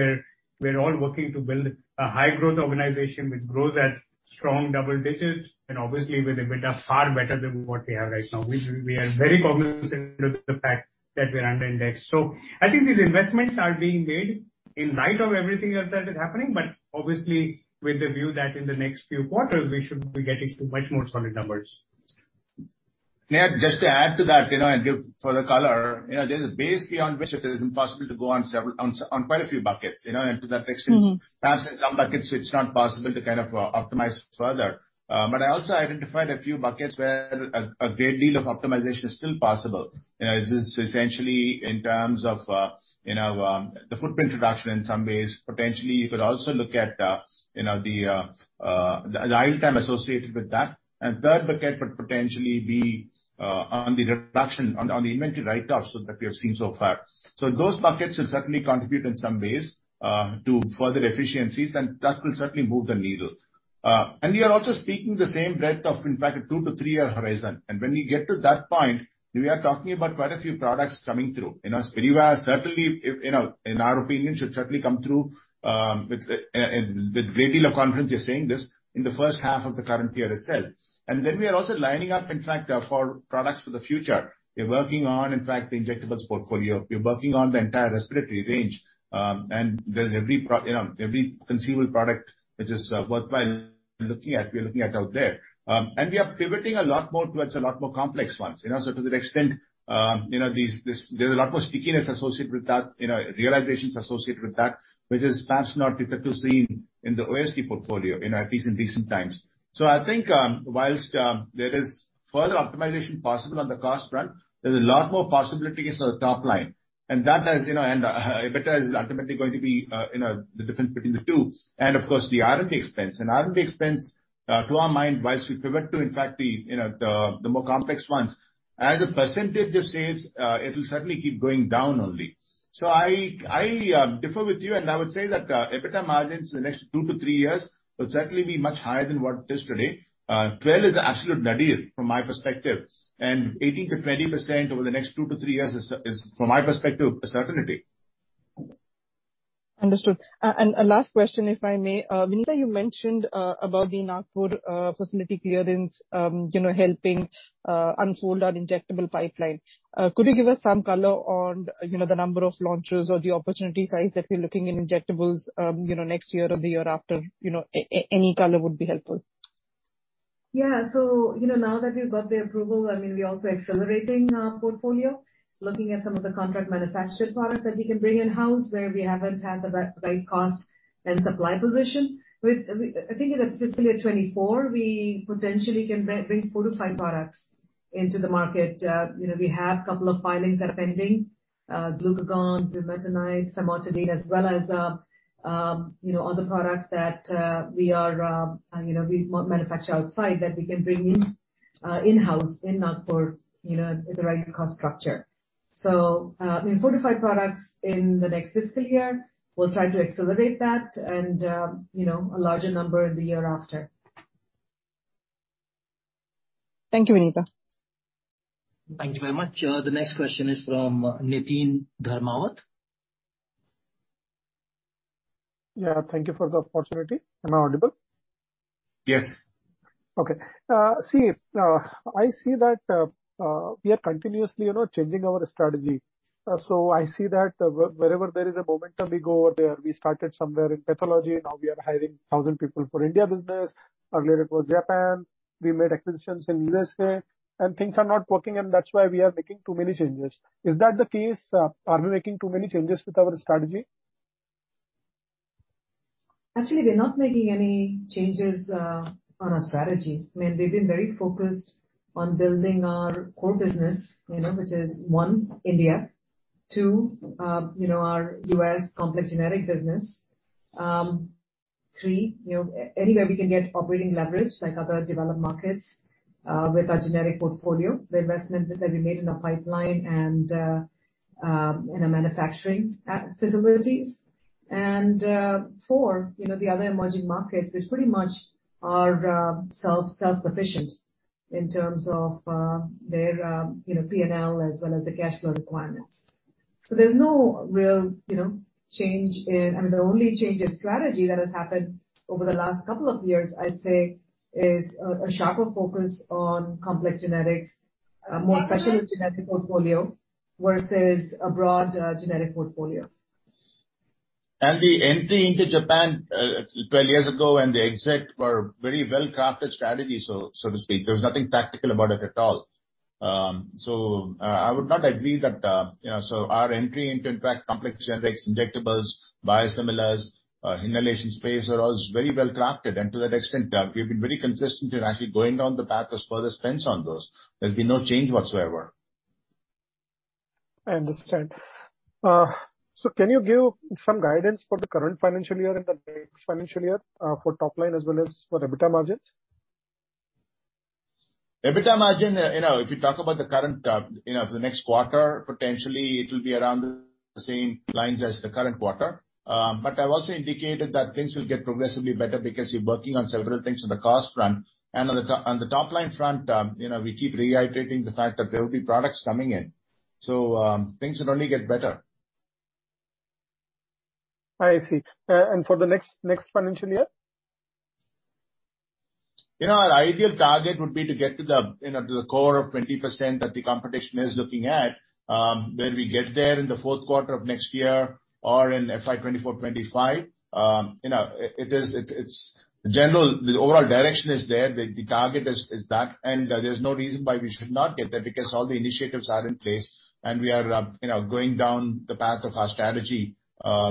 Speaker 4: we're all working to build a high-growth organization which grows at strong double digits and obviously with EBITDA far better than what we have right now. We are very cognizant of the fact that we are under indexed. I think these investments are being made in light of everything else that is happening, but obviously with the view that in the next few quarters we should be getting to much more solid numbers.
Speaker 3: Yeah. Just to add to that, you know, give further color, you know, there's a base beyond which it is impossible to go on quite a few buckets, you know, into that section.
Speaker 9: Mm-hmm.
Speaker 3: Perhaps in some buckets it's not possible to kind of optimize further. I also identified a great deal of optimization is still possible. You know, this is essentially in terms of, you know, the footprint reduction in some ways. Potentially you could also look at, you know, the item associated with that. Third bucket would potentially be on the reduction on the inventory write-offs that we have seen so far. Those buckets will certainly contribute in some ways to further efficiencies, and that will certainly move the needle. We are also speaking the same breadth of, in fact, a two to three-year horizon. When we get to that point, we are talking about quite a few products coming through. You know, Spiriva certainly, if... You know, in our opinion, should certainly come through with great deal of confidence we are saying this in the first half of the current year itself. We are also lining up, in fact, for products for the future. We're working on, in fact, the injectables portfolio. We're working on the entire respiratory range. There's every conceivable product which is worthwhile looking at, we are looking at out there. We are pivoting a lot more towards a lot more complex ones, you know. To that extent, you know, there's a lot more stickiness associated with that, you know, realizations associated with that, which is perhaps not difficult to see in the OSB portfolio, you know, at least in recent times. I think, whilst there is further optimization possible on the cost front, there's a lot more possibilities on the top line, and that has, you know, and EBITDA is ultimately going to be, you know, the difference between the two. Of course, the R&D expense. R&D expense, to our mind, whilst we pivot to, in fact, the, you know, the more complex ones, as a percentage of sales, it will certainly keep going down only. I, differ with you, and I would say that EBITDA margins in the next two to three years will certainly be much higher than what it is today. 12 is the absolute nadir from my perspective, and 18%-20% over the next two to three years is from my perspective, a certainty.
Speaker 9: Understood. A last question, if I may. Vinita, you mentioned about the Nagpur facility clearance, you know, helping unfold our injectable pipeline. Could you give us some color on, you know, the number of launches or the opportunity size that we're looking in injectables, you know, next year or the year after? You know, any color would be helpful.
Speaker 2: Yeah. You know, now that we've got the approval, I mean, we're also accelerating our portfolio, looking at some of the contract manufactured products that we can bring in-house where we haven't had the right cost and supply position. I think in FY24, we potentially can bring four to five products into the market. You know, we have couple of filings that are pending, Glucagon, Dilantin, Somatostatin, as well as, you know, other products that we are, you know, we manufacture outside that we can bring in-house in Nagpur, you know, at the right cost structure. I mean, 45 products in the next fiscal year. We'll try to accelerate that and, you know, a larger number in the year after.
Speaker 9: Thank you, Vinita.
Speaker 1: Thank you very much. The next question is from Niteen Dharmawat.
Speaker 10: Thank you for the opportunity. Am I audible?
Speaker 3: Yes.
Speaker 10: See, I see that we are continuously, you know, changing our strategy. I see that wherever there is a momentum we go over there. We started somewhere in pathology, now we are hiring 1,000 people for India business. Earlier for Japan, we made acquisitions in U.S.A. and things are not working and that's why we are making too many changes. Is that the case? Are we making too many changes with our strategy?
Speaker 2: Actually, we are not making any changes on our strategy. I mean, we've been very focused on building our core business, you know, which is, one, India. Two, you know, our U.S. complex generic business. Three, you know, anywhere we can get operating leverage like other developed markets with our generic portfolio, the investments that we made in the pipeline and in our manufacturing facilities. Four, you know, the other emerging markets which pretty much are self-sufficient in terms of their, you know, P&L as well as the cash flow requirements. I mean, the only change in strategy that has happened over the last couple of years, I'd say is a sharper focus on complex generics, more specialist generic portfolio versus a broad generic portfolio.
Speaker 3: The entry into Japan, 12 years ago, and the exit were very well-crafted strategy, so to speak. There was nothing tactical about it at all. I would not agree that, you know. Our entry into, in fact, complex generics, injectables, biosimilars, inhalation space are all very well crafted. To that extent, we've been very consistent in actually going down the path of further spends on those. There's been no change whatsoever.
Speaker 10: I understand. Can you give some guidance for the current financial year and the next financial year for top line as well as for EBITDA margins?
Speaker 3: EBITDA margin, you know, if you talk about the current, you know, the next quarter, potentially it will be around the same lines as the current quarter. I've also indicated that things will get progressively better because we're working on several things on the cost front. On the top line front, you know, we keep reiterating the fact that there will be products coming in. Things will only get better.
Speaker 10: I see. For the next financial year?
Speaker 3: You know, our ideal target would be to get to the, you know, to the core of 20% that the competition is looking at. Whether we get there in the Q4 of next year or in FY24/25, you know, it's general, the overall direction is there. The target is that. There's no reason why we should not get there because all the initiatives are in place and we are, you know, going down the path of our strategy,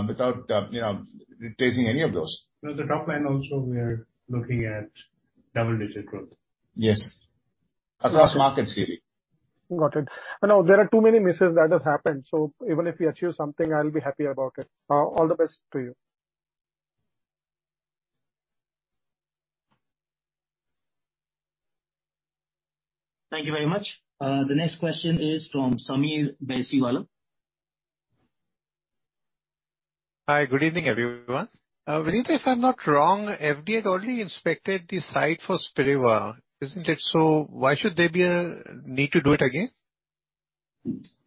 Speaker 3: without, you know, retracing any of those.
Speaker 4: You know, the top line also we are looking at double-digit growth.
Speaker 3: Yes. Across markets really.
Speaker 10: Got it. I know there are too many misses that has happened, so even if you achieve something, I'll be happy about it. All the best to you.
Speaker 1: Thank you very much. The next question is from Sameer Baisiwala.
Speaker 11: Hi. Good evening, everyone. Vinita, if I'm not wrong, FDA had already inspected the site for Spiriva, isn't it? Why should there be a need to do it again?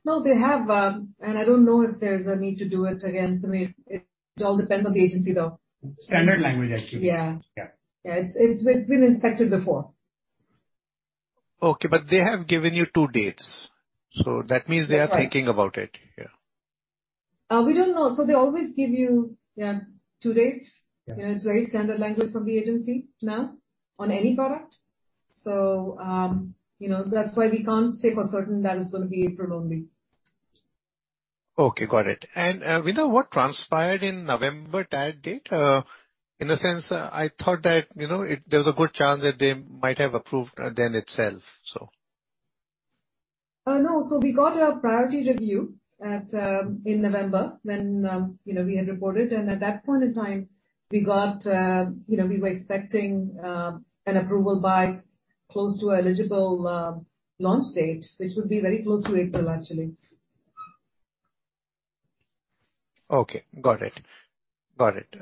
Speaker 2: No, they have. I don't know if there's a need to do it again, Sameer. It all depends on the agency though.
Speaker 4: Standard language actually.
Speaker 2: Yeah.
Speaker 4: Yeah.
Speaker 2: Yeah. It's been inspected before.
Speaker 11: Okay. They have given you two dates, that means they are thinking about it. Yeah.
Speaker 2: We don't know. They always give you, yeah, two dates.
Speaker 11: Yeah.
Speaker 2: You know, it's very standard language from the agency now on any product. You know, that's why we can't say for certain that it's gonna be April only.
Speaker 11: Okay, got it. Vinita, what transpired in November tad date? In a sense, I thought that, you know, there was a good chance that they might have approved then itself.
Speaker 2: No. We got a priority review at, in November when, you know, we had reported. At that point in time, we got, you know, we were expecting, an approval by close to eligible, launch date, which would be very close to April, actually.
Speaker 11: Okay. Got it. Got it.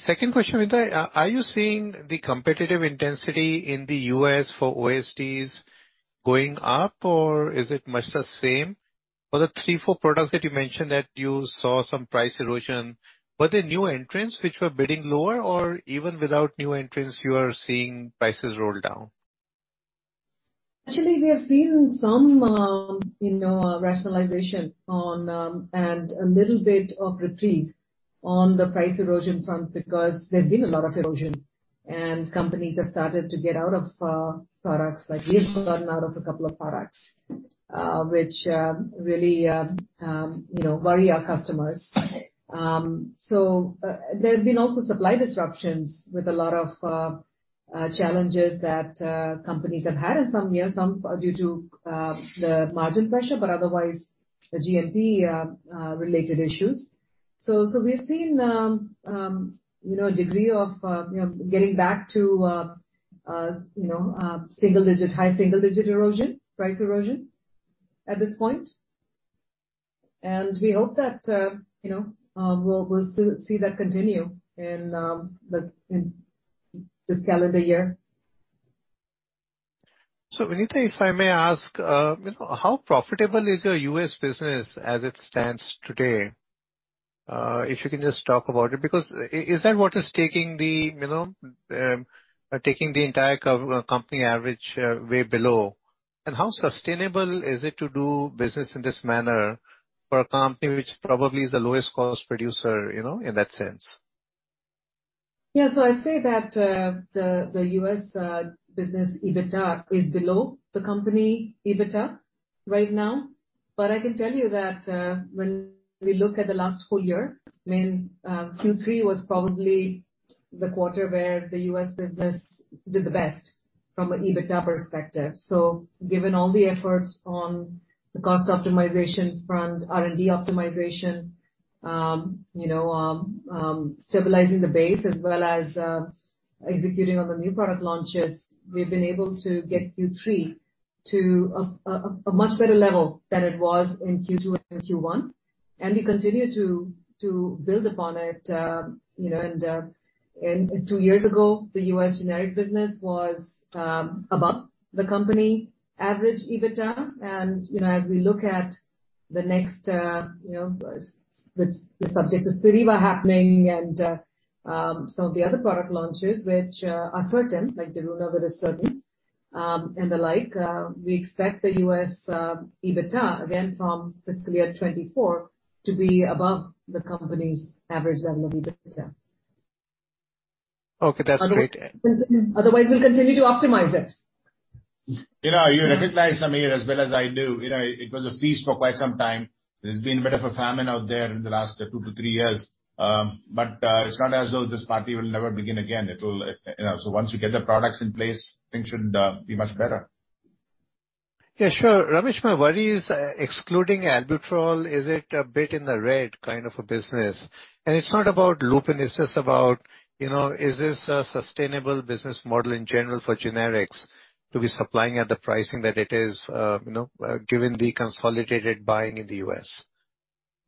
Speaker 11: Second question, Vinita. Are you seeing the competitive intensity in the U.S. for OSDs going up, or is it much the same? For the three, four products that you mentioned that you saw some price erosion, were they new entrants which were bidding lower, or even without new entrants, you are seeing prices roll down?
Speaker 2: We have seen some, you know, rationalization on, and a little bit of reprieve on the price erosion front because there's been a lot of erosion, and companies have started to get out of products, like we've gotten out of a couple of products, which really, you know, worry our customers. There have been also supply disruptions with a lot of challenges that companies have had in some years. Some are due to the margin pressure, but otherwise the GMP related issues. We've seen, you know, a degree of, you know, getting back to, you know, single-digit, high single-digit erosion, price erosion at this point. We hope that, you know, we'll see that continue in the this calendar year.
Speaker 11: Vinita, if I may ask, you know, how profitable is your U.S. business as it stands today? If you can just talk about it, because is that what is taking the, you know, taking the entire company average, way below? How sustainable is it to do business in this manner for a company which probably is the lowest cost producer, you know, in that sense?
Speaker 2: I'd say that the U.S. business EBITDA is below the company EBITDA right now. I can tell you that when we look at the last full year, I mean, Q3 was probably the quarter where the U.S. business did the best from an EBITDA perspective. Given all the efforts on the cost optimization front, R&D optimization, you know, stabilizing the base as well as executing on the new product launches, we've been able to get Q3 to a much better level than it was in Q2 and Q1, and we continue to build upon it. You know, and two years ago, the U.S. generic business was above the company average EBITDA. You know, as we look at the next, you know, the subject of Spiriva happening and some of the other product launches which are certain, like darunavir is certain, and the like, we expect the U.S. EBITDA again from fiscal year 2024 to be above the company's average level of EBITDA.
Speaker 11: Okay. That's great.
Speaker 2: Otherwise we'll continue to optimize it.
Speaker 3: You know, you recognize, Sameer, as well as I do, you know, it was a feast for quite some time. There's been a bit of a famine out there in the last two to three years. It's not as though this party will never begin again. It'll, you know. Once we get the products in place, things should be much better.
Speaker 11: Yeah, sure. Ramesh, my worry is, excluding Albuterol, is it a bit in the red kind of a business? It's not about Lupin, it's just about, you know, is this a sustainable business model in general for generics to be supplying at the pricing that it is, you know, given the consolidated buying in the U.S.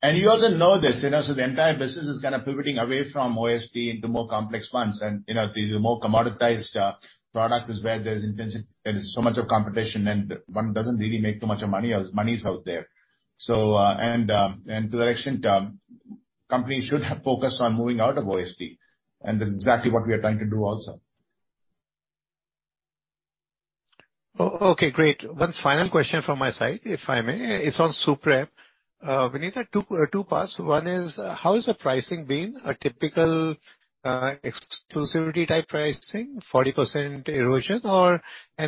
Speaker 3: You also know this, you know, so the entire business is kind of pivoting away from OSD into more complex ones. You know, the more commoditized products is where there's intensive competition, and one doesn't really make too much of money as money is out there. To that extent, companies should have focused on moving out of OST, and that's exactly what we are trying to do also.
Speaker 11: Okay, great. One final question from my side, if I may. It's on Suprep. Vinita, two parts. One is how has the pricing been? A typical exclusivity type pricing, 40% erosion?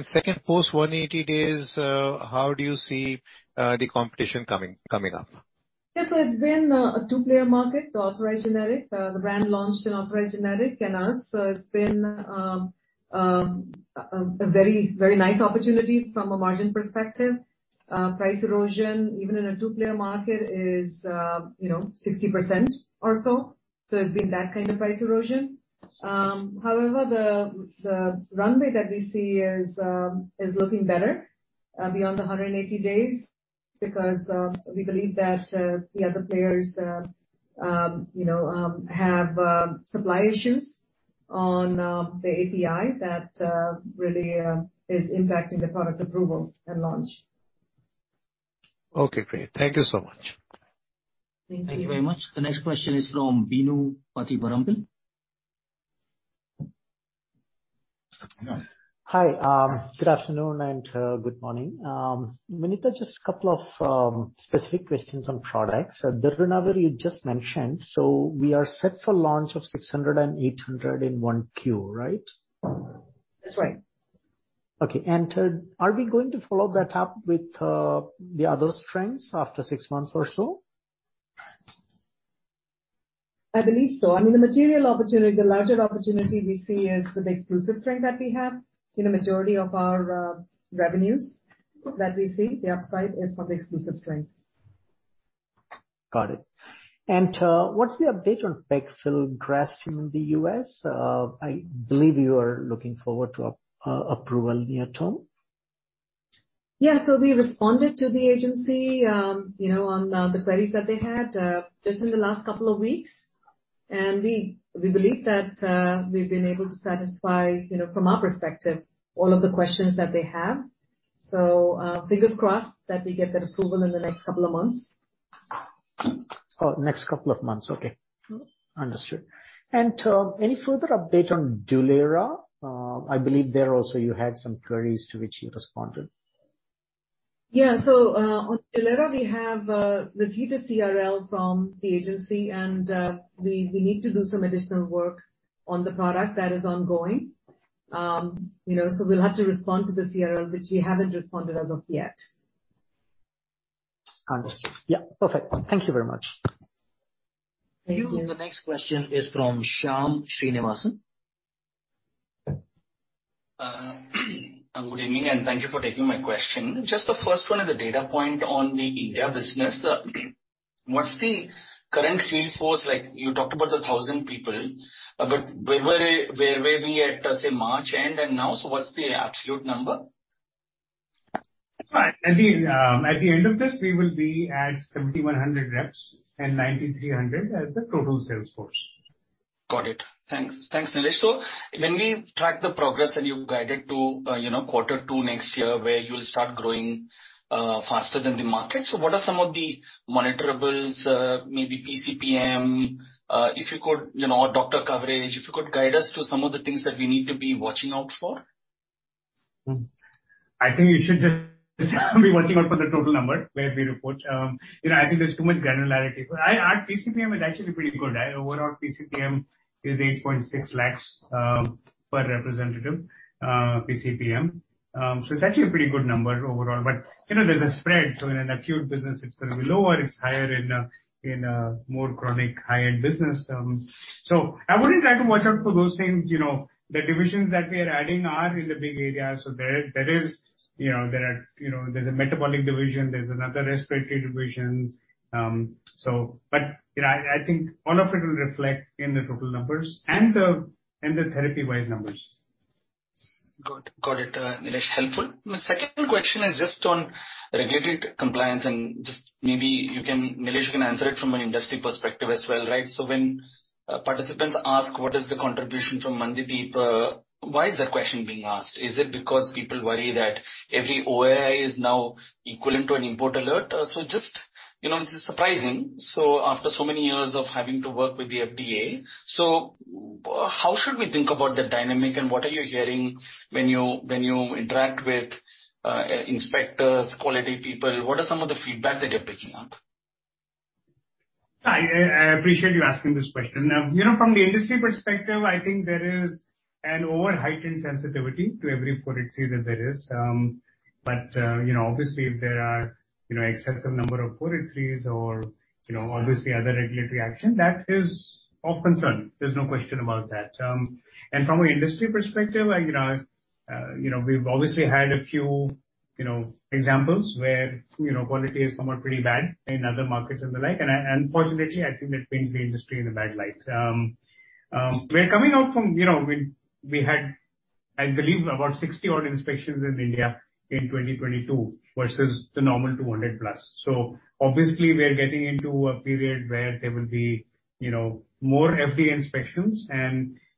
Speaker 11: Second, post 180 days, how do you see the competition coming up?
Speaker 2: It's been a two-player market, the authorized generic. The brand launched an authorized generic and us. It's been a very nice opportunity from a margin perspective. Price erosion, even in a two-player market is, you know, 60% or so. It's been that kind of price erosion. However, the runway that we see is looking better beyond the 180 days because we believe that the other players, you know, have supply issues on the API that really is impacting the product approval and launch.
Speaker 11: Okay, great. Thank you so much.
Speaker 1: Thank you very much. The next question is from Bino Pathiparampil.
Speaker 12: Hi. good afternoon and good morning. Vinita, just a couple of specific questions on products. Darunavir you just mentioned, so we are set for launch of 600 and 800 in Q1, right?
Speaker 2: That's right.
Speaker 12: Okay. Are we going to follow that up with the other strengths after six months or so?
Speaker 2: I believe so. I mean, the material opportunity, the larger opportunity we see is with the exclusive strength that we have in the majority of our, revenues that we see the upside is for the exclusive strength.
Speaker 12: Got it. What's the update on Pegfilgrastim in the U.S.? I believe you are looking forward to a, approval near term.
Speaker 2: Yeah. We responded to the agency, you know, on the queries that they had, just in the last couple of weeks. We believe that we've been able to satisfy, you know, from our perspective, all of the questions that they have. Fingers crossed that we get that approval in the next couple of months.
Speaker 12: Next couple of months. Okay. Understood. Any further update on Dulera? I believe there also you had some queries to which you responded.
Speaker 2: Yeah. On Dulera, we have received a CRL from the agency, and we need to do some additional work on the product. That is ongoing. You know, we'll have to respond to the CRL, which we haven't responded as of yet.
Speaker 12: Understood. Yeah. Perfect. Thank you very much.
Speaker 2: Thank you.
Speaker 1: The next question is from Shyam Srinivasan.
Speaker 13: Good evening, thank you for taking my question. Just the first one is a data point on the India business. What's the current field force like? You talked about the 1,000 people, but where were they, where were we at, say, March end and now? What's the absolute number?
Speaker 4: At the end of this, we will be at 7,100 reps and 9,300 as the total sales force.
Speaker 13: Got it. Thanks. Thanks, Nilesh. When we track the progress, and you've guided to, you know, quarter two next year, where you'll start growing, faster than the market. What are some of the monitorables, maybe PCPM, if you could, you know, or doctor coverage? If you could guide us to some of the things that we need to be watching out for.
Speaker 4: I think you should just be watching out for the total number where we report. You know, I think there's too much granularity. Our PCPM is actually pretty good. Our overall PCPM is 8.6 lakhs per representative PCPM. So it's actually a pretty good number overall. You know, there's a spread, so in an acute business it's gonna be lower. It's higher in more chronic high-end business. I wouldn't try to watch out for those things. You know, the divisions that we are adding are in the big areas. There is, you know, there are, you know, there's a metabolic division, there's another respiratory division. You know, I think all of it will reflect in the total numbers and the, and the therapy-wise numbers.
Speaker 13: Good. Got it, Nilesh. Helpful. My second question is just on regulatory compliance and just maybe you can, Nilesh, you can answer it from an industry perspective as well, right? When participants ask what is the contribution from Mandideep, why is that question being asked? Is it because people worry that every OAI is now equivalent to an import alert? Just, you know, this is surprising, after so many years of having to work with the FDA. How should we think about the dynamic and what are you hearing when you interact with inspectors, quality people? What are some of the feedback that you're picking up?
Speaker 4: I appreciate you asking this question. You know, from the industry perspective, I think there is an over heightened sensitivity to every 43 that there is. You know, obviously if there are, you know, excessive number of 43s or, you know, obviously other regulatory action, that is of concern. There's no question about that. From an industry perspective, you know, we've obviously had a few, you know, examples where, you know, quality is somewhat pretty bad in other markets and the like. Unfortunately, I think that paints the industry in a bad light. We're coming out from, you know, we had, I believe about 60 odd inspections in India in 2022 versus the normal 200+. Obviously we are getting into a period where there will be, you know, more FDA inspections.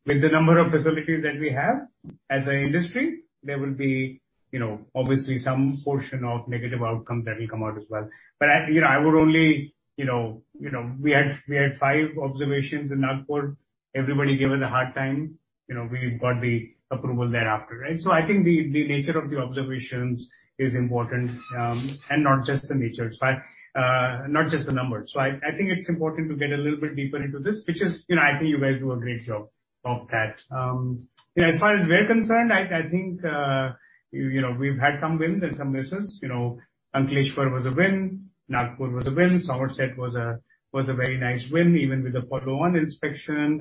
Speaker 4: With the number of facilities that we have as an industry, there will be, you know, obviously some portion of negative outcomes that will come out as well. I, you know, I would only, you know, we had five observations in Nagpur. Everybody gave us a hard time. You know, we got the approval thereafter, right? I think the nature of the observations is important, and not just the nature, but not just the numbers. I think it's important to get a little bit deeper into this, which is, you know, I think you guys do a great job of that. You know, as far as we're concerned, I think, you know, we've had some wins and some misses. You know, Ankleshwar was a win. Nagpur was a win. Somerset was a very nice win, even with the follow-on inspection.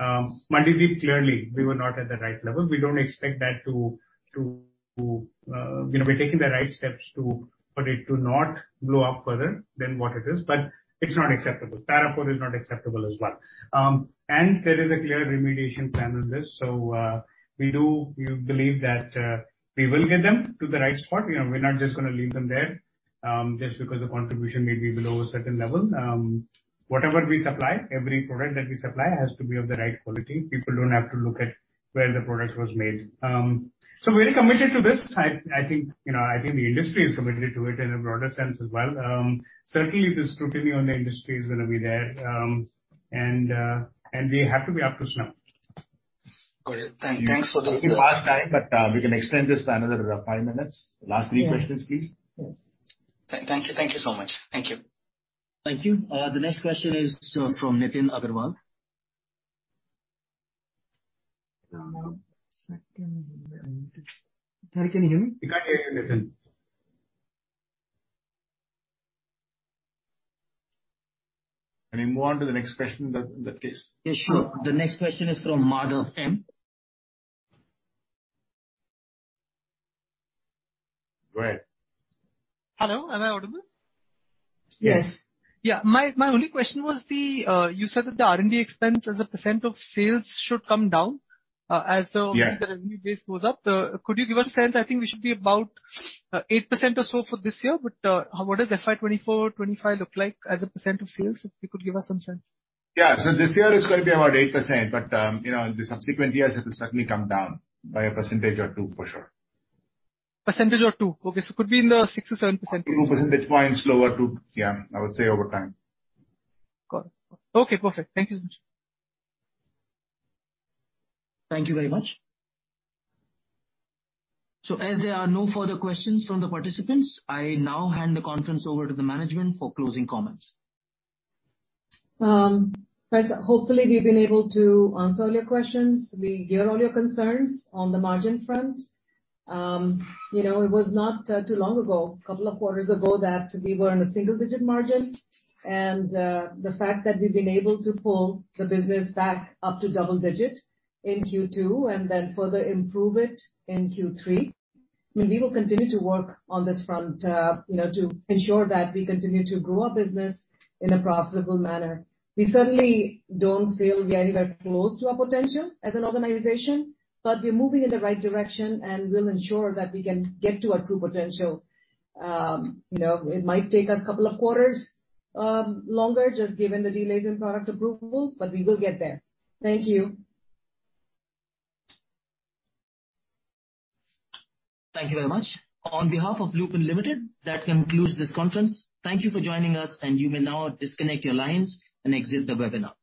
Speaker 4: Mandideep, clearly we were not at the right level. You know, we're taking the right steps to, for it to not blow up further than what it is, but it's not acceptable. Tarapur is not acceptable as well. There is a clear remediation plan on this. We do believe that we will get them to the right spot. You know, we're not just gonna leave them there, just because the contribution may be below a certain level. Whatever we supply, every product that we supply has to be of the right quality. People don't have to look at where the product was made. We're committed to this. I think, you know, I think the industry is committed to it in a broader sense as well. Certainly the scrutiny on the industry is gonna be there. We have to be up to snuff.
Speaker 13: Got it. Thanks for those.
Speaker 3: It's past time, but we can extend this by another five minutes. Last three questions, please.
Speaker 13: Thank you. Thank you so much. Thank you.
Speaker 1: Thank you. The next question is from Nitin Agarwal.
Speaker 14: One second here. Sorry, can you hear me?
Speaker 3: We can't hear you, Nitin. Can we move on to the next question in that case?
Speaker 1: Yeah, sure. The next question is from Madhav M.
Speaker 3: Go ahead.
Speaker 15: Hello, am I audible?
Speaker 4: Yes.
Speaker 15: Yeah. My only question was the, you said that the R&D expense as a percent of sales should come down as the revenue base goes up. Could you give us a sense? I think we should be about 8% or so for this year, what does FY24/25 look like as a percent of sales, if you could give us some sense?
Speaker 3: Yeah. This year it's gonna be about 8%, but, you know, in the subsequent years it will certainly come down by 1% or 2%, for sure.
Speaker 15: Percentage or 2%. Okay, could be in the 6% or 7%-
Speaker 3: 2 percentage points lower to. Yeah, I would say over time.
Speaker 15: Got it. Okay, perfect. Thank you so much.
Speaker 1: Thank you very much. As there are no further questions from the participants, I now hand the conference over to the management for closing comments.
Speaker 2: Right. Hopefully, we've been able to answer all your questions. We hear all your concerns on the margin front. you know, it was not too long ago, couple of quarters ago, that we were in a single-digit margin. The fact that we've been able to pull the business back up to double-digit in Q2 and then further improve it in Q3, I mean, we will continue to work on this front, you know, to ensure that we continue to grow our business in a profitable manner. We certainly don't feel we are even close to our potential as an organization, but we're moving in the right direction, and we'll ensure that we can get to our true potential. you know, it might take us a couple quarters longer, just given the delays in product approvals, but we will get there. Thank you.
Speaker 1: Thank you very much. On behalf of Lupin Limited, that concludes this conference. Thank you for joining us, and you may now disconnect your lines and exit the webinar.